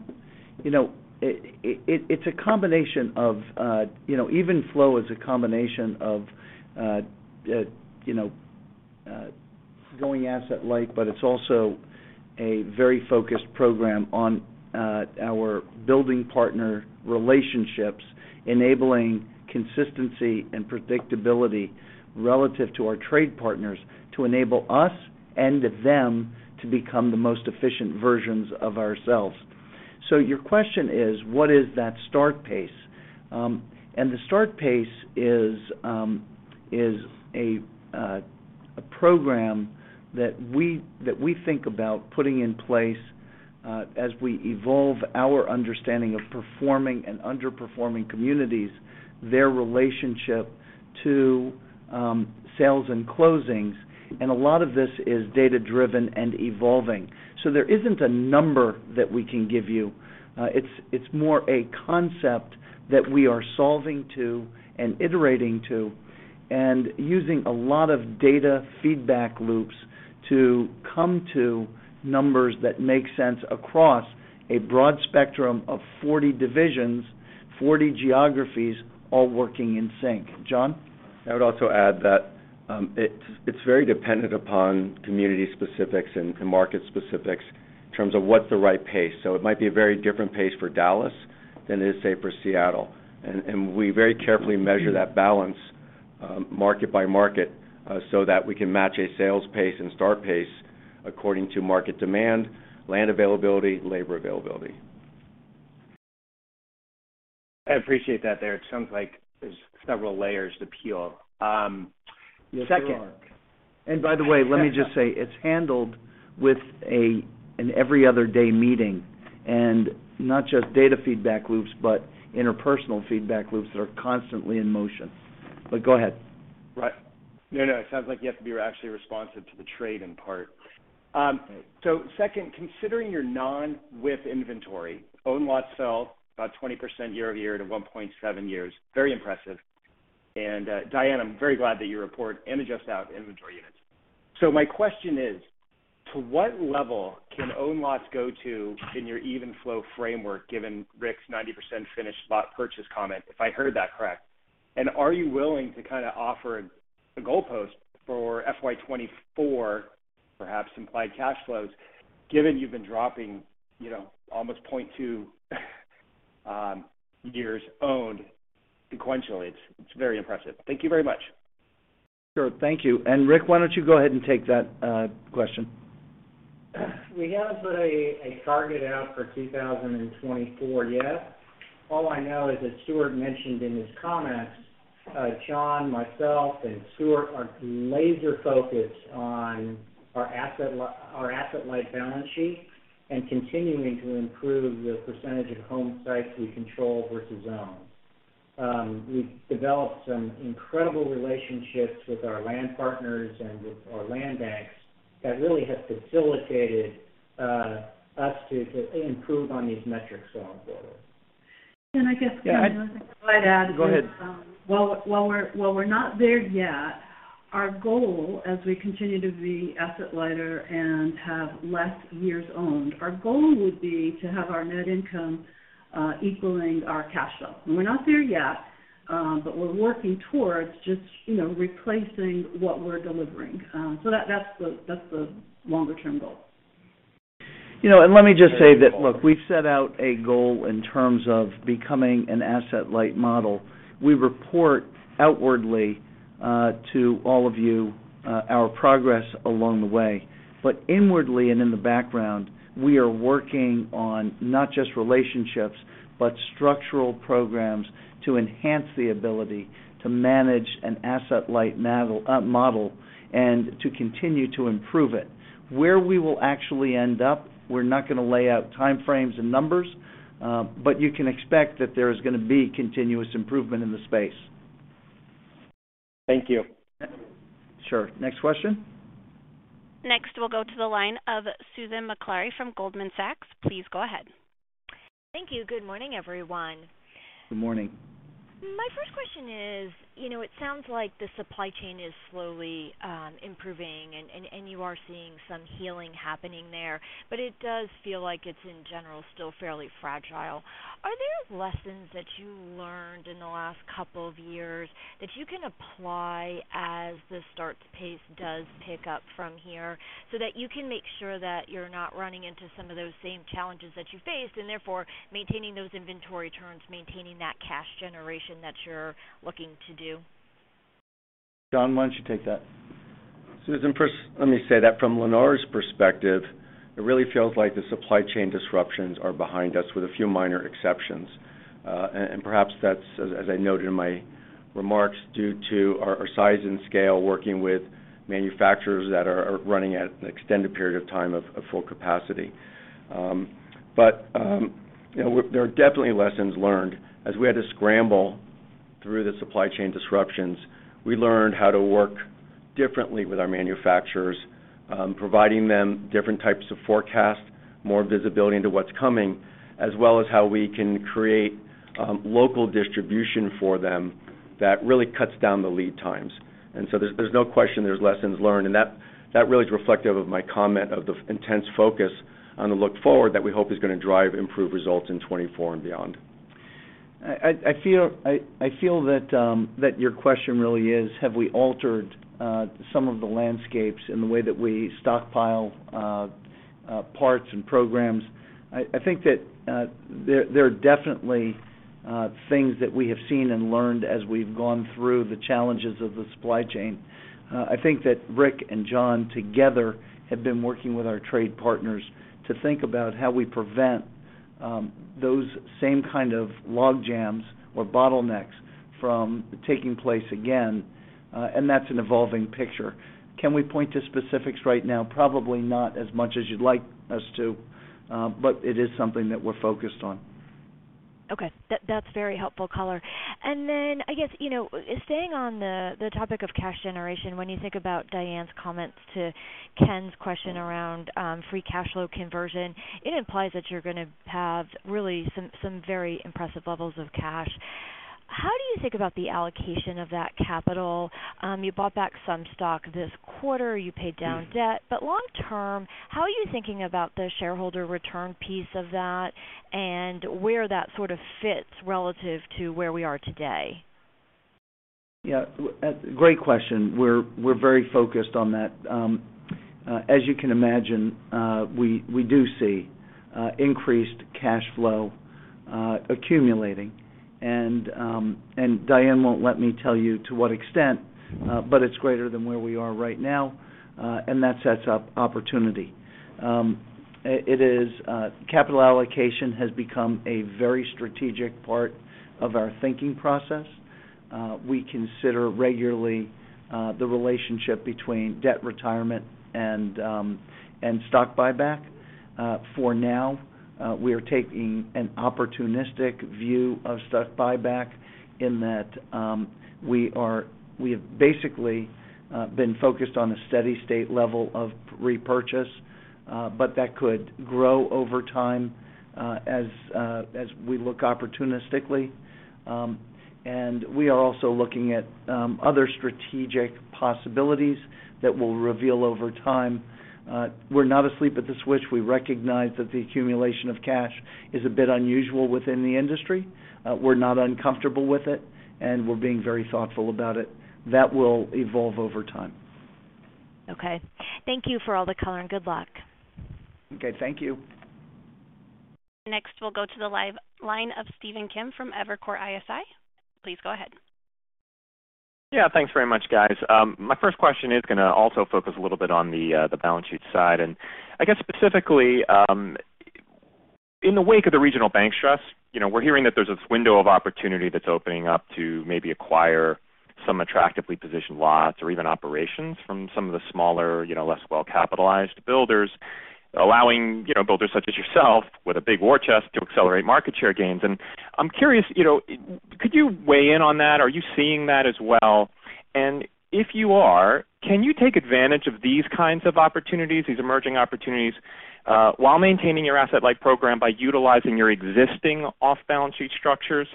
you know, it's a combination of, you know, even flow is a combination of, you know, going asset light, but it's also a very focused program on our building partner relationships, enabling consistency and predictability relative to our trade partners to enable us and them to become the most efficient versions of ourselves. Your question is, what is that start pace? And the start pace is a program that we think about putting in place as we evolve our understanding of performing and underperforming communities, their relationship to sales and closings, and a lot of this is data-driven and evolving. There isn't a number that we can give you. It's more a concept that we are solving to and iterating to and using a lot of data feedback loops to come to numbers that make sense across a broad spectrum of 40 divisions, 40 geographies, all working in sync. Jon? I would also add that it's very dependent upon community specifics and market specifics in terms of what's the right pace. It might be a very different pace for Dallas than it is, say, for Seattle. We very carefully measure that balance market by market so that we can match a sales pace and start pace according to market demand, land availability, labor availability. I appreciate that, Stuart. It sounds like there's several layers to peel. Yes, there are. By the way, let me just say, it's handled with an every other day meeting, not just data feedback loops, but interpersonal feedback loops that are constantly in motion. Go ahead. Right. No, no, it sounds like you have to be actually responsive to the trade in part. Second, considering your non-with inventory, own lots sell about 20% year-over-year to 1.7 years. Very impressive. Diane, I'm very glad that you report and adjust out inventory units. My question is: to what level can own lots go to in your even flow framework, given Rick's 90% finished lot purchase comment, if I heard that correct? Are you willing to kind of offer a goalpost for FY 2024, perhaps implied cash flows, given you've been dropping, you know, almost 0.2 years owned sequentially? It's very impressive. Thank you very much. Sure. Thank you. Rick, why don't you go ahead and take that question? We haven't put a target out for 2024 yet. All I know is that Stuart mentioned in his comments, Jon, myself, and Stuart are laser focused on our asset-light balance sheet, and continuing to improve the percent of home sites we control versus own. We've developed some incredible relationships with our land partners and with our land banks that really have facilitated us to improve on these metrics going forward. I guess I'd like to add. Go ahead. While we're not there yet, our goal as we continue to be asset lighter and have less years owned, our goal would be to have our net income equaling our cash flow. We're not there yet, but we're working towards just, you know, replacing what we're delivering. That's the longer term goal. You know, let me just say that, look, we've set out a goal in terms of becoming an asset-light model. We report outwardly to all of you our progress along the way. Inwardly and in the background, we are working on not just relationships, but structural programs to enhance the ability to manage an asset-light model and to continue to improve it. Where we will actually end up, we're not going to lay out time frames and numbers, but you can expect that there is going to be continuous improvement in the space. Thank you. Sure. Next question? Next, we'll go to the line of Susan Maklari from Goldman Sachs. Please go ahead. Thank you. Good morning, everyone. Good morning. My first question is, you know, it sounds like the supply chain is slowly, improving, and you are seeing some healing happening there, but it does feel like it's, in general, still fairly fragile. Are there lessons that you learned in the last couple of years that you can apply as the starts pace does pick up from here, so that you can make sure that you're not running into some of those same challenges that you faced, and therefore maintaining those inventory turns, maintaining that cash generation that you're looking to do? Jon, why don't you take that? Susan, first, let me say that from Lennar's perspective, it really feels like the supply chain disruptions are behind us, with a few minor exceptions. Perhaps that's, as I noted in my remarks, due to our size and scale, working with manufacturers that are running at an extended period of time of full capacity. But, you know, there are definitely lessons learned. As we had to scramble through the supply chain disruptions, we learned how to work differently with our manufacturers, providing them different types of forecasts, more visibility into what's coming, as well as how we can create local distribution for them that really cuts down the lead times. There's no question there's lessons learned, and that really is reflective of my comment of the intense focus on the look forward that we hope is going to drive improved results in 2024 and beyond. I feel that your question really is, have we altered some of the landscapes in the way that we stockpile parts and programs? I think that there are definitely things that we have seen and learned as we've gone through the challenges of the supply chain. I think that Rick and Jon together have been working with our trade partners to think about how we prevent those same kind of logjams or bottlenecks from taking place again. That's an evolving picture. Can we point to specifics right now? Probably not as much as you'd like us to, but it is something that we're focused on. Okay. That's very helpful color. I guess, you know, staying on the topic of cash generation, when you think about Diane's comments to Ken's question around free cash flow conversion, it implies that you're gonna have really some very impressive levels of cash. How do you think about the allocation of that capital? You bought back some stock this quarter, you paid down debt. Long term, how are you thinking about the shareholder return piece of that, and where that sort of fits relative to where we are today? Yeah, great question. We're very focused on that. As you can imagine, we do see increased cash flow accumulating. Diane won't let me tell you to what extent, but it's greater than where we are right now, and that sets up opportunity. It is, capital allocation has become a very strategic part of our thinking process. We consider regularly, the relationship between debt retirement and stock buyback. For now, we are taking an opportunistic view of stock buyback in that, we have basically been focused on a steady state level of repurchase, but that could grow over time as we look opportunistically. We are also looking at other strategic possibilities that will reveal over time. We're not asleep at the switch. We recognize that the accumulation of cash is a bit unusual within the industry. We're not uncomfortable with it, and we're being very thoughtful about it. That will evolve over time. Okay. Thank you for all the color. Good luck. Okay, thank you. Next, we'll go to the live line of Stephen Kim from Evercore ISI. Please go ahead. Yeah, thanks very much, guys. My first question is gonna also focus a little bit on the balance sheet side. I guess specifically, in the wake of the regional bank stress, you know, we're hearing that there's this window of opportunity that's opening up to maybe acquire some attractively positioned lots or even operations from some of the smaller, you know, less well-capitalized builders, allowing, you know, builders such as yourself, with a big war chest, to accelerate market share gains. I'm curious, you know, could you weigh in on that? Are you seeing that as well? If you are, can you take advantage of these kinds of opportunities, these emerging opportunities, while maintaining your asset-light program by utilizing your existing off-balance sheet structures?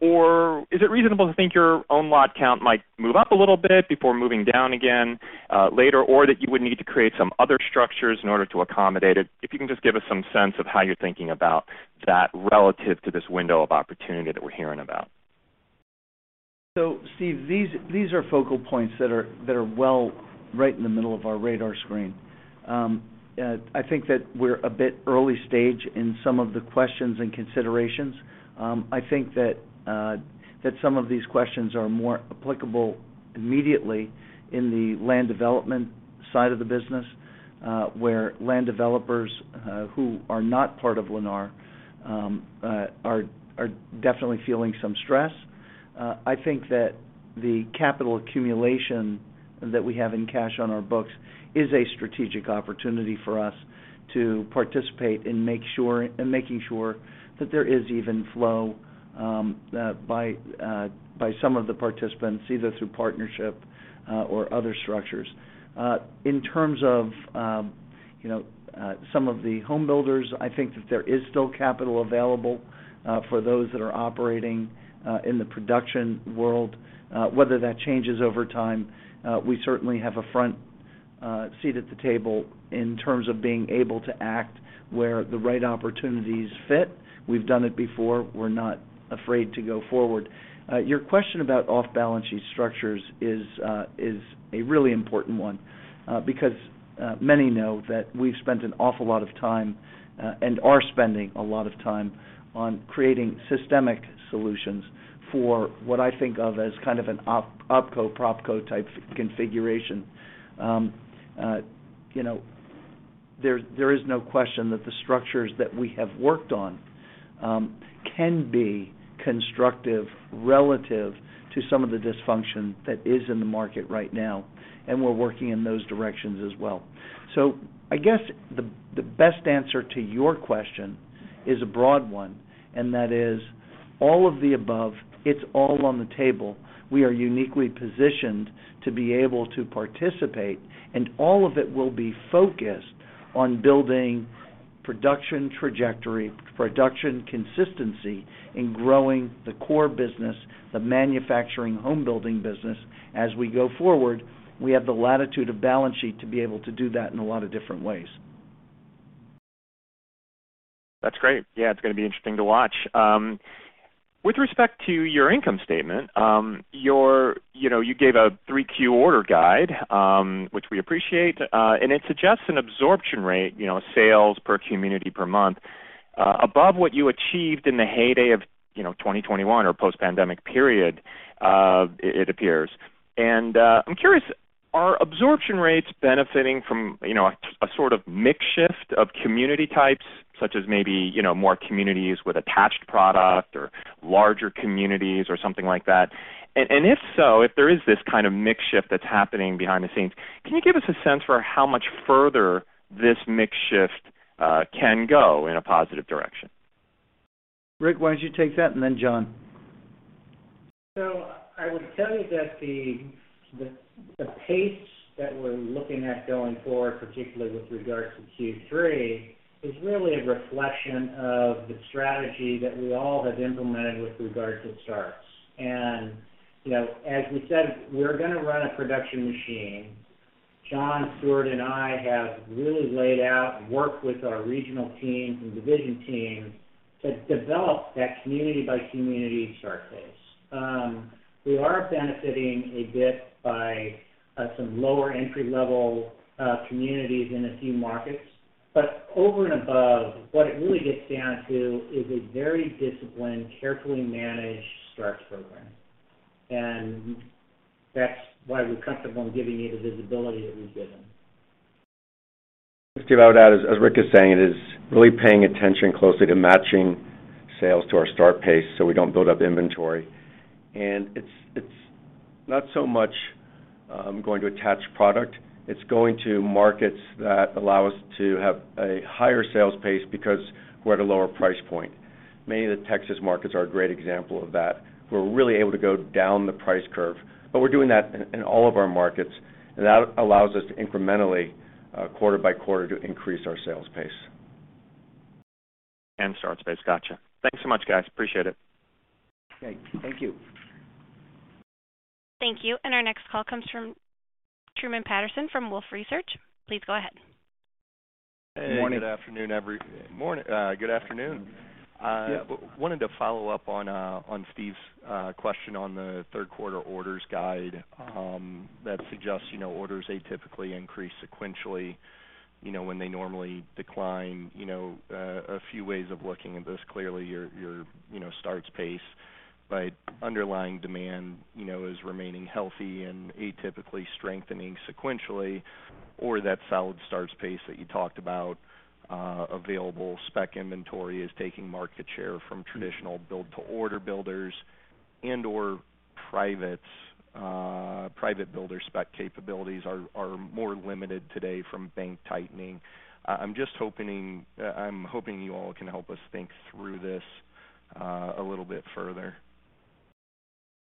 Is it reasonable to think your own lot count might move up a little bit before moving down again, later, or that you would need to create some other structures in order to accommodate it? If you can just give us some sense of how you're thinking about that relative to this window of opportunity that we're hearing about? Steve, these are focal points that are well right in the middle of our radar screen. I think that we're a bit early stage in some of the questions and considerations. I think that some of these questions are more applicable immediately in the land development side of the business, where land developers, who are not part of Lennar, are definitely feeling some stress. I think that the capital accumulation that we have in cash on our books is a strategic opportunity for us to participate in making sure that there is even flow, by some of the participants, either through partnership, or other structures. In terms of, you know, some of the homebuilders, I think that there is still capital available for those that are operating in the production world. Whether that changes over time, we certainly have a front seat at the table in terms of being able to act where the right opportunities fit. We've done it before. We're not afraid to go forward. Your question about off-balance sheet structures is a really important one because many know that we've spent an awful lot of time and are spending a lot of time on creating systemic solutions for what I think of as kind of an OpCo/PropCo-type configuration. You know, there is no question that the structures that we have worked on, can be constructive relative to some of the dysfunction that is in the market right now, and we're working in those directions as well. I guess the best answer to your question is a broad one, and that is all of the above. It's all on the table. We are uniquely positioned to be able to participate, and all of it will be focused on building production trajectory, production consistency, and growing the core business, the manufacturing homebuilding business, as we go forward. We have the latitude of balance sheet to be able to do that in a lot of different ways. That's great. Yeah, it's gonna be interesting to watch. With respect to your income statement, You know, you gave a 3Q order guide, which we appreciate, and it suggests an absorption rate, you know, sales per community per month, above what you achieved in the heyday of, you know, 2021 or post-pandemic period, it appears. I'm curious, are absorption rates benefiting from, you know, a sort of mix shift of community types, such as maybe, you know, more communities with attached product or larger communities or something like that? If so, if there is this kind of mix shift that's happening behind the scenes, can you give us a sense for how much further this mix shift can go in a positive direction? Rick, why don't you take that, and then Jon? I would tell you that the. The pace that we're looking at going forward, particularly with regard to Q3, is really a reflection of the strategy that we all have implemented with regard to starts. You know, as we said, we're going to run a production machine. Jon and Stuart and I have really laid out, worked with our regional teams and division to develop that community-by-community start pace. We are benefiting a bit by some lower entry-level communities in a few markets, but over and above, what it really gets down to is a very disciplined, carefully managed starts program. That's why we're comfortable in giving you the visibility that we've given. Just to add, as Rick is saying, it is really paying attention closely to matching sales to our start pace so we don't build up inventory. It's not so much going to attach product, it's going to markets that allow us to have a higher sales pace because we're at a lower price point. Many of the Texas markets are a great example of that. We're really able to go down the price curve, but we're doing that in all of our markets, and that allows us to incrementally, quarter by quarter, to increase our sales pace. Starts pace. Got you. Thanks so much, guys. Appreciate it. Okay. Thank you. Thank you. Our next call comes from Truman Patterson from Wolfe Research. Please go ahead. Morning- Good afternoon, Morning, good afternoon. Yeah. Wanted to follow up on Stephen Kim's question on the third quarter orders guide, that suggests, you know, orders atypically increase sequentially, you know, when they normally decline. You know, a few ways of looking at this, clearly your, you know, starts pace, but underlying demand, you know, is remaining healthy and atypically strengthening sequentially, or that solid starts pace that you talked about, available spec inventory is taking market share from traditional build-to-order builders and/or privates. Private builder spec. capabilities are more limited today from bank tightening. I'm hoping you all can help us think through this, a little bit further.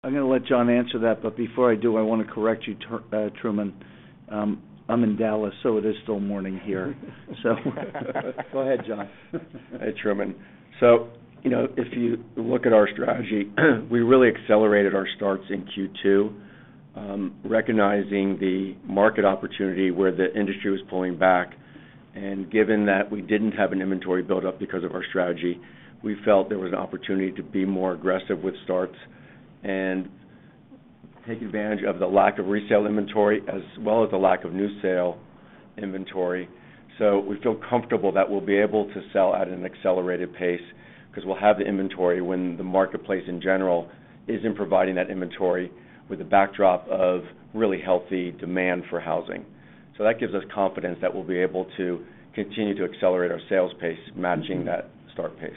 I'm going to let Jon answer that, but before I do, I want to correct you, Truman. I'm in Dallas, so it is still morning here. Go ahead, Jon. Hey, Truman. You know, if you look at our strategy, we really accelerated our starts in Q2, recognizing the market opportunity where the industry was pulling back. Given that we didn't have an inventory buildup because of our strategy, we felt there was an opportunity to be more aggressive with starts and take advantage of the lack of resale inventory, as well as the lack of new sale inventory. We feel comfortable that we'll be able to sell at an accelerated pace because we'll have the inventory when the marketplace in general isn't providing that inventory, with the backdrop of really healthy demand for housing. That gives us confidence that we'll be able to continue to accelerate our sales pace, matching that start pace.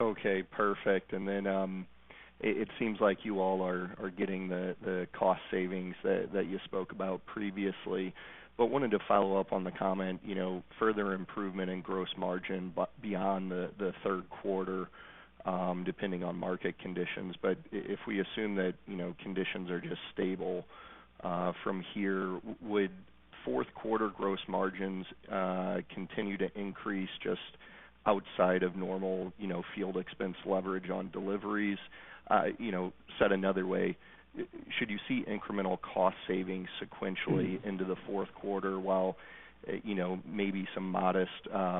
Okay, perfect. It seems like you all are getting the cost savings that you spoke about previously. Wanted to follow up on the comment, you know, further improvement in gross margin beyond the third quarter, depending on market conditions. If we assume that, you know, conditions are just stable from here, would fourth quarter gross margins continue to increase just outside of normal, you know, field expense leverage on deliveries? You know, said another way, should you see incremental cost savings sequentially into the fourth quarter while, you know, maybe some modest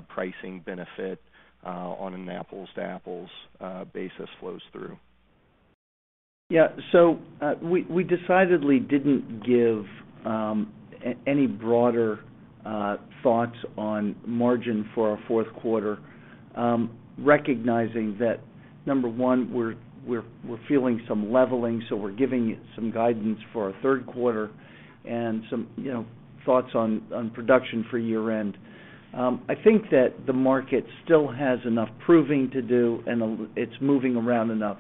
pricing benefit on an apples-to-apples basis flows through? Yeah. We decidedly didn't give any broader thoughts on margin for our fourth quarter. Recognizing that, number one, we're feeling some leveling, so we're giving it some guidance for our third quarter and some, you know, thoughts on production for year-end. I think that the market still has enough proving to do, and it's moving around enough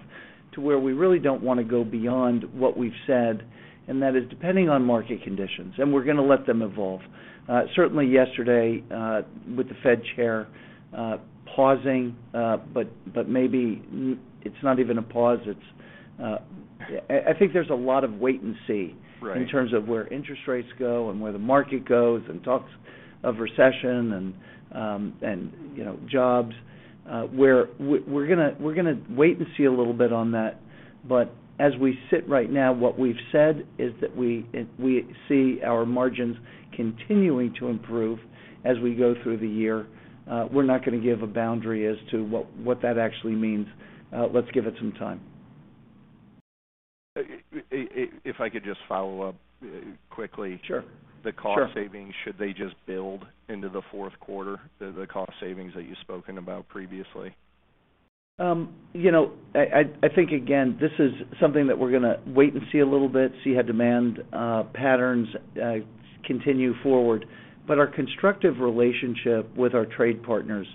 to where we really don't want to go beyond what we've said, and that is depending on market conditions, and we're going to let them evolve. Certainly yesterday, with the Fed Chair pausing, but maybe it's not even a pause, it's... I think there's a lot of wait and see- Right in terms of where interest rates go and where the market goes, and talks of recession and, you know, jobs, we're gonna wait and see a little bit on that. As we sit right now, what we've said is that we see our margins continuing to improve as we go through the year. We're not going to give a boundary as to what that actually means. Let's give it some time. If I could just follow up quickly. Sure, sure. The cost savings, should they just build into the fourth quarter, the cost savings that you've spoken about previously? You know, I think, again, this is something that we're gonna wait and see a little bit, see how demand patterns continue forward. Our constructive relationship with our trade partners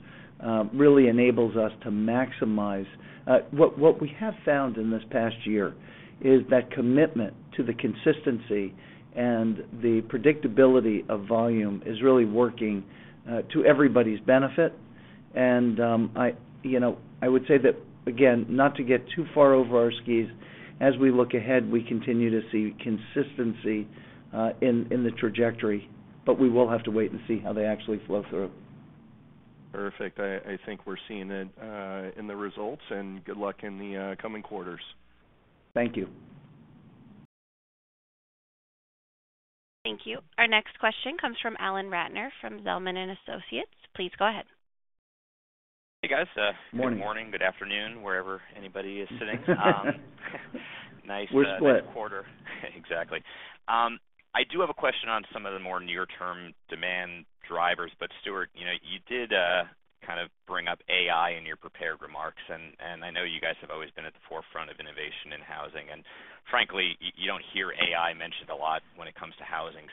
really enables us to maximize. What we have found in this past year is that commitment to the consistency and the predictability of volume is really working to everybody's benefit. I, you know, I would say that, again, not to get too far over our skis. As we look ahead, we continue to see consistency in the trajectory, but we will have to wait and see how they actually flow through. Perfect. I think we're seeing it, in the results, and good luck in the coming quarters. Thank you. Thank you. Our next question comes from Alan Ratner from Zelman & Associates. Please go ahead. Hey, guys. Morning. Good morning, good afternoon, wherever anybody is sitting. We're split. Nice quarter. Exactly. I do have a question on some of the more near-term demand drivers. Stuart, you know, you did kind of bring up AI in your prepared remarks, and I know you guys have always been at the forefront of innovation in housing, and frankly, you don't hear AI mentioned a lot when it comes to housing.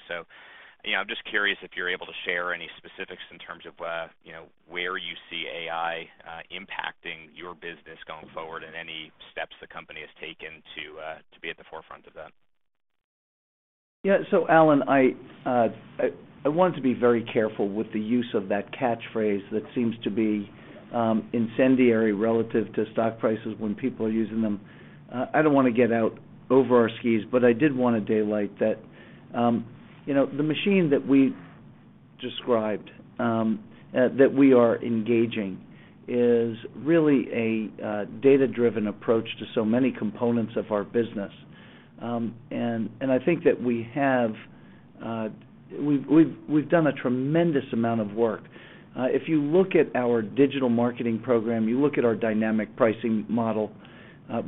You know, I'm just curious if you're able to share any specifics in terms of, you know, where you see AI impacting your business going forward, and any steps the company has taken to be at the forefront of that. Yeah, so Alan, I want to be very careful with the use of that catchphrase that seems to be incendiary relative to stock prices when people are using them. I don't wanna get out over our skis, but I did wanna daylight that, you know, the machine that we described, that we are engaging is really a data-driven approach to so many components of our business. I think that we have we've done a tremendous amount of work. If you look at our digital marketing program, you look at our dynamic pricing model,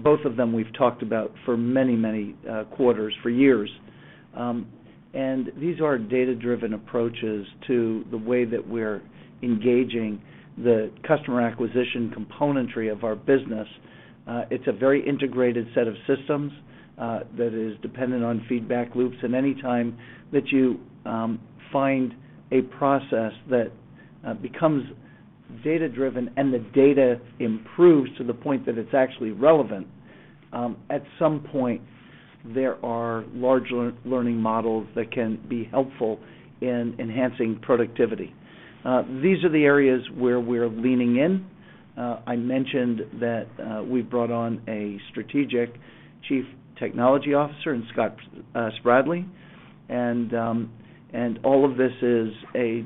both of them we've talked about for many, many quarters for years. These are data-driven approaches to the way that we're engaging the customer acquisition componentry of our business. It's a very integrated set of systems that is dependent on feedback loops. Any time that you find a process that becomes data-driven and the data improves to the point that it's actually relevant, at some point, there are large learning models that can be helpful in enhancing productivity. These are the areas where we're leaning in. I mentioned that we've brought on a strategic Chief Technology Officer in Scott Spradley, and all of this is a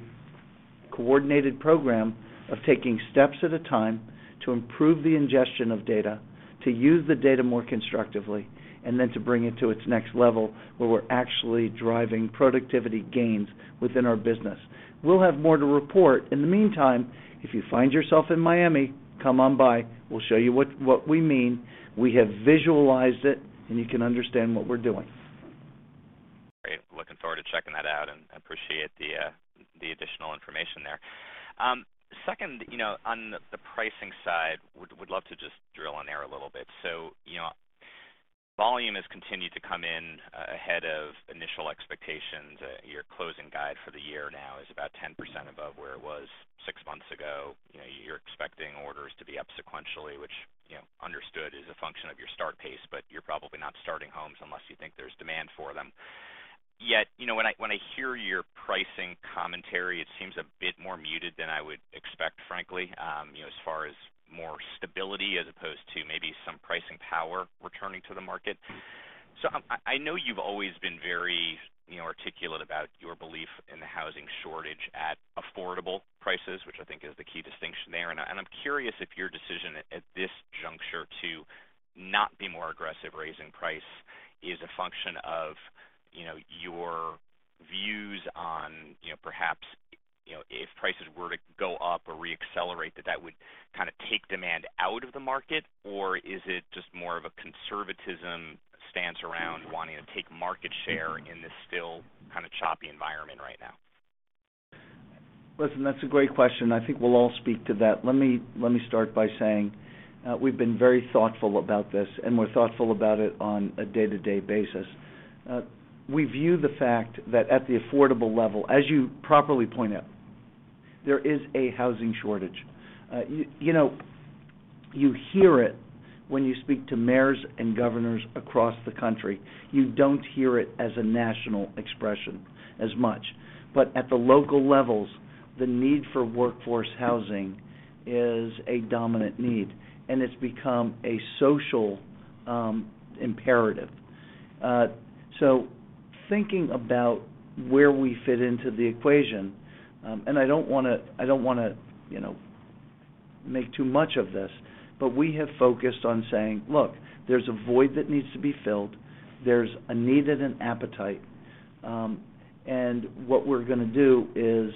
coordinated program of taking steps at a time to improve the ingestion of data, to use the data more constructively, and then to bring it to its next level, where we're actually driving productivity gains within our business. We'll have more to report. In the meantime, if you find yourself in Miami, come on by, we'll show you what we mean. We have visualized it. You can understand what we're doing. Great. Looking forward to checking that out, and appreciate the additional information there. Second, you know, on the pricing side, would love to just drill on there a little bit. You know, volume has continued to come in ahead of initial expectations. Your closing guide for the year now is about 10% above where it was six months ago. You know, you're expecting orders to be up sequentially, which, you know, understood is a function of your start pace, but you're probably not starting homes unless you think there's demand for them. Yet, you know, when I hear your pricing commentary, it seems a bit more muted than I would expect, frankly, you know, as far as more stability as opposed to maybe some pricing power returning to the market. I know you've always been very, you know, articulate about your belief in the housing shortage at affordable prices, which I think is the key distinction there. I'm curious if your decision at this juncture to not be more aggressive raising price is a function of, you know, your views on, you know, perhaps, you know, if prices were to go up or re-accelerate, that would kind of take demand out of the market, or is it just more of a conservatism stance around wanting to take market share in this still kind of choppy environment right now? Listen, that's a great question, and I think we'll all speak to that. Let me start by saying, we've been very thoughtful about this, and we're thoughtful about it on a day-to-day basis. We view the fact that at the affordable level, as you properly point out, there is a housing shortage. you know, you hear it when you speak to mayors and governors across the country. You don't hear it as a national expression as much, but at the local levels, the need for workforce housing is a dominant need, and it's become a social, imperative. Thinking about where we fit into the equation, and I don't wanna, you know, make too much of this, but we have focused on saying: Look, there's a void that needs to be filled, there's a need and an appetite, and what we're gonna do is,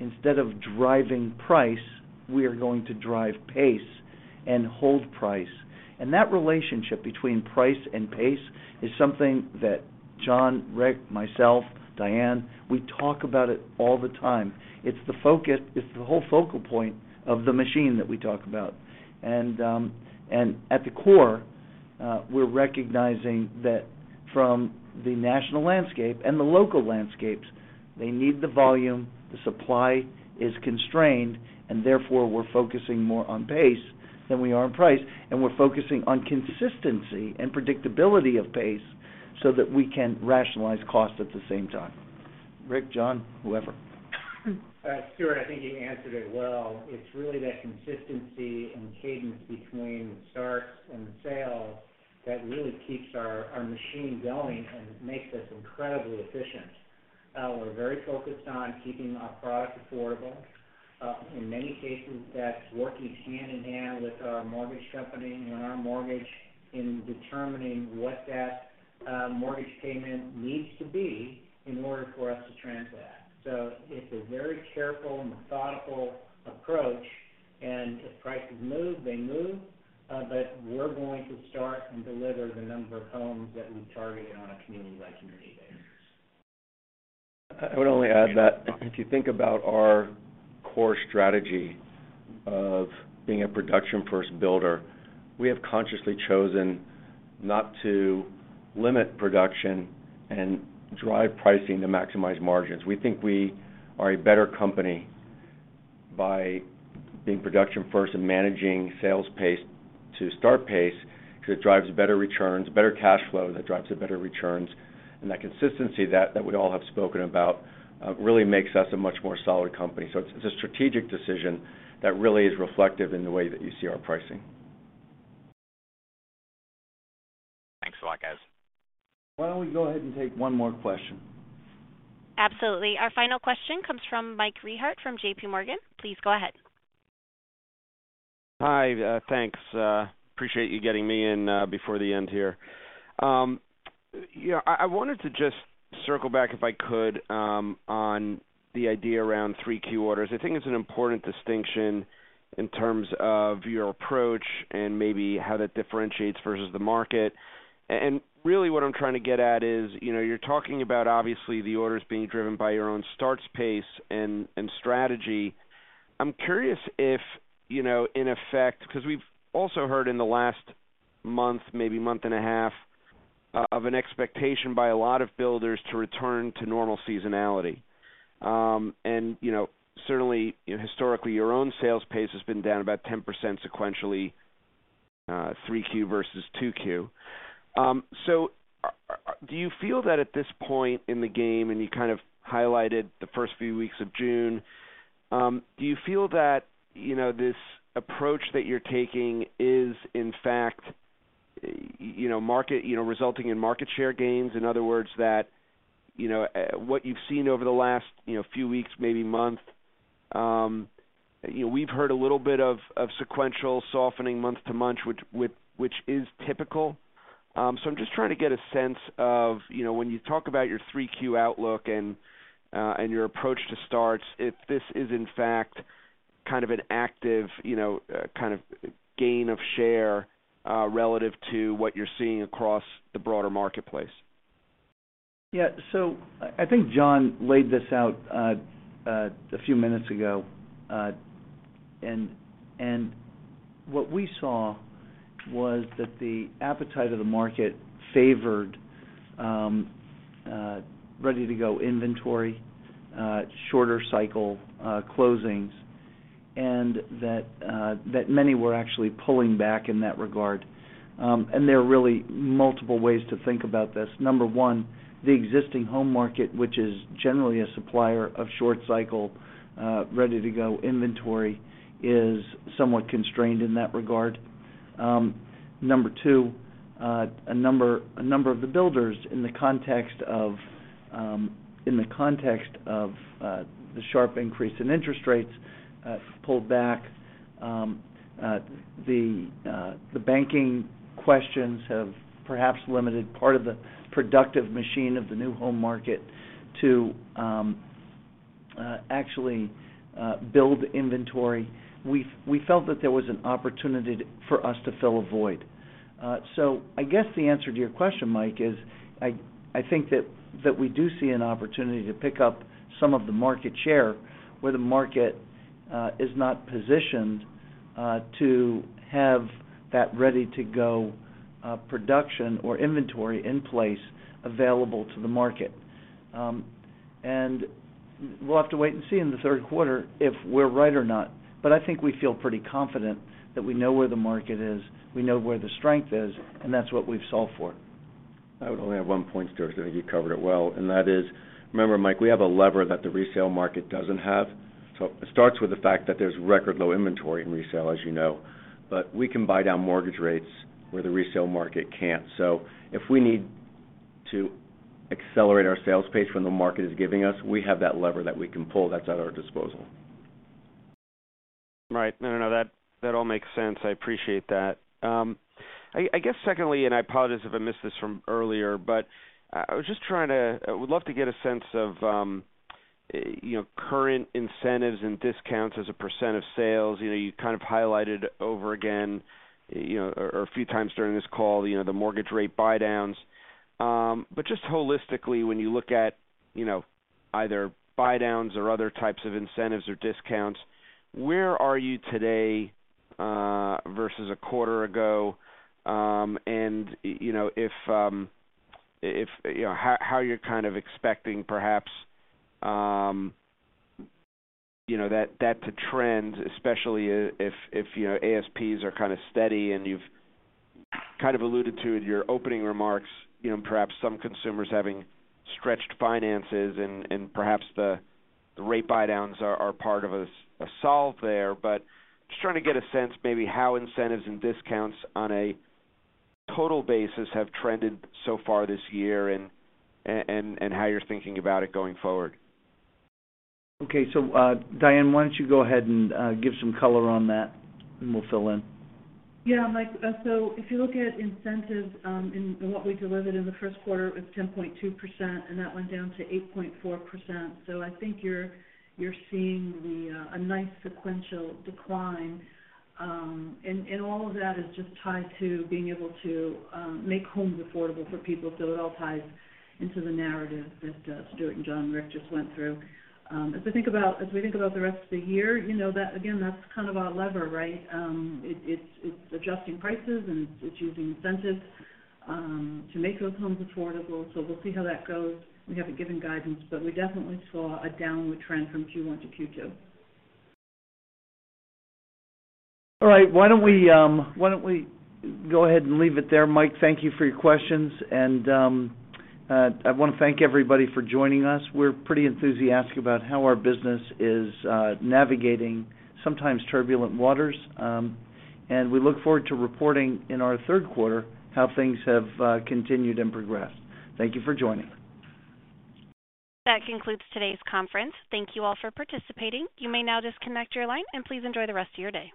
instead of driving price, we are going to drive pace and hold price. That relationship between price and pace is something that Jon, Rick, myself, Diane, we talk about it all the time. It's the whole focal point of the machine that we talk about. At the core, we're recognizing that from the national landscape and the local landscapes, they need the volume, the supply is constrained, and therefore, we're focusing more on pace than we are on price, and we're focusing on consistency and predictability of pace so that we can rationalize costs at the same time. Rick, Jon, whoever. Stuart, I think you answered it well. It's really that consistency and cadence between starts and the sales that really keeps our machine going and makes us incredibly efficient. We're very focused on keeping our products affordable. In many cases, that's working hand in hand with our mortgage company and our mortgage in determining what that mortgage payment needs to be in order for us to transact. It's a very careful, methodical approach, and if prices move, they move, but we're going to start and deliver the number of homes that we've targeted on a community-by-community basis. I would only add that if you think about our core strategy of being a production-first builder, we have consciously chosen not to limit production and drive pricing to maximize margins. We think we are a better company by being production-first and managing sales pace to start pace, because it drives better returns, better cash flow, that drives a better returns. That consistency that we'd all have spoken about really makes us a much more solid company. It's a strategic decision that really is reflective in the way that you see our pricing. Thanks a lot, guys. Why don't we go ahead and take one more question? Absolutely. Our final question comes from Michael Rehaut from JPMorgan. Please go ahead. Hi, thanks. Appreciate you getting me in before the end here. Yeah, I wanted to just circle back, if I could, on the idea around three key orders. I think it's an important distinction in terms of your approach and maybe how that differentiates versus the market. Really, what I'm trying to get at is, you know, you're talking about obviously the orders being driven by your own starts pace and strategy. I'm curious if, you know, in effect, because we've also heard in the last month, maybe month and a half, of an expectation by a lot of builders to return to normal seasonality. You know, certainly, historically, your own sales pace has been down about 10% sequentially, 3Q versus 2Q. Do you feel that at this point in the game, and you kind of highlighted the first few weeks of June, do you feel that, you know, this approach that you're taking is, in fact, you know, resulting in market share gains? In other words, that, you know, what you've seen over the last, you know, few weeks, maybe month, you know, we've heard a little bit of sequential softening month to month, which is typical. I'm just trying to get a sense of, you know, when you talk about your 3Q outlook and your approach to starts, if this is in fact, kind of an active, you know, kind of gain of share, relative to what you're seeing across the broader marketplace. I think Jon laid this out, a few minutes ago, and what we saw was that the appetite of the market favored ready-to-go inventory, shorter cycle closings, and that many were actually pulling back in that regard. There are really multiple ways to think about this. Number one, the existing home market, which is generally a supplier of short-cycle, ready-to-go inventory, is somewhat constrained in that regard. Number two, a number of the builders in the context of the sharp increase in interest rates, pulled back. The banking questions have perhaps limited part of the Lennar machine of the new home market to actually build inventory. We felt that there was an opportunity for us to fill a void. I guess the answer to your question, Mike, is, I think that we do see an opportunity to pick up some of the market share, where the market is not positioned to have that ready-to-go production or inventory in place available to the market. We'll have to wait and see in the third quarter if we're right or not. I think we feel pretty confident that we know where the market is, we know where the strength is, and that's what we've solved for. I would only add one point, Stuart. I think you covered it well, and that is, remember, Mike, we have a lever that the resale market doesn't have. It starts with the fact that there's record low inventory in resale, as you know, but we can buy down mortgage rates where the resale market can't. If we need to accelerate our sales pace when the market is giving us, we have that lever that we can pull that's at our disposal. Right. No, that all makes sense. I appreciate that. I guess secondly, and I apologize if I missed this from earlier, but I would love to get a sense of, you know, current incentives and discounts as a percent of sales. You know, you kind of highlighted over again, you know, or a few times during this call, you know, the mortgage rate buydowns. Just holistically, when you look at, you know, either buydowns or other types of incentives or discounts, where are you today versus a quarter ago? You know, if, you know, how you're kind of expecting perhaps, you know, that to trend, especially if, you know, ASPs are kind of steady and you've kind of alluded to it in your opening remarks, you know, perhaps some consumers having stretched finances and perhaps the rate buydowns are part of a solve there. Just trying to get a sense, maybe how incentives and discounts on a total basis have trended so far this year and how you're thinking about it going forward. Okay, Diane, why don't you go ahead and give some color on that, and we'll fill in? Yeah, Mike, if you look at incentives, and what we delivered in the first quarter, it was 10.2%, and that went down to 8.4%. I think you're seeing a nice sequential decline. All of that is just tied to being able to make homes affordable for people. It all ties into the narrative that Stuart, Jon, and Rick just went through. As we think about the rest of the year, you know that again, that's kind of our lever, right? It's adjusting prices, and it's using incentives to make those homes affordable. We'll see how that goes. We haven't given guidance, we definitely saw a downward trend from Q1 to Q2. All right. Why don't we go ahead and leave it there? Mike, thank you for your questions. I want to thank everybody for joining us. We're pretty enthusiastic about how our business is navigating sometimes turbulent waters, and we look forward to reporting in our third quarter how things have continued and progressed. Thank you for joining. That concludes today's conference. Thank you all for participating. You may now disconnect your line, and please enjoy the rest of your day.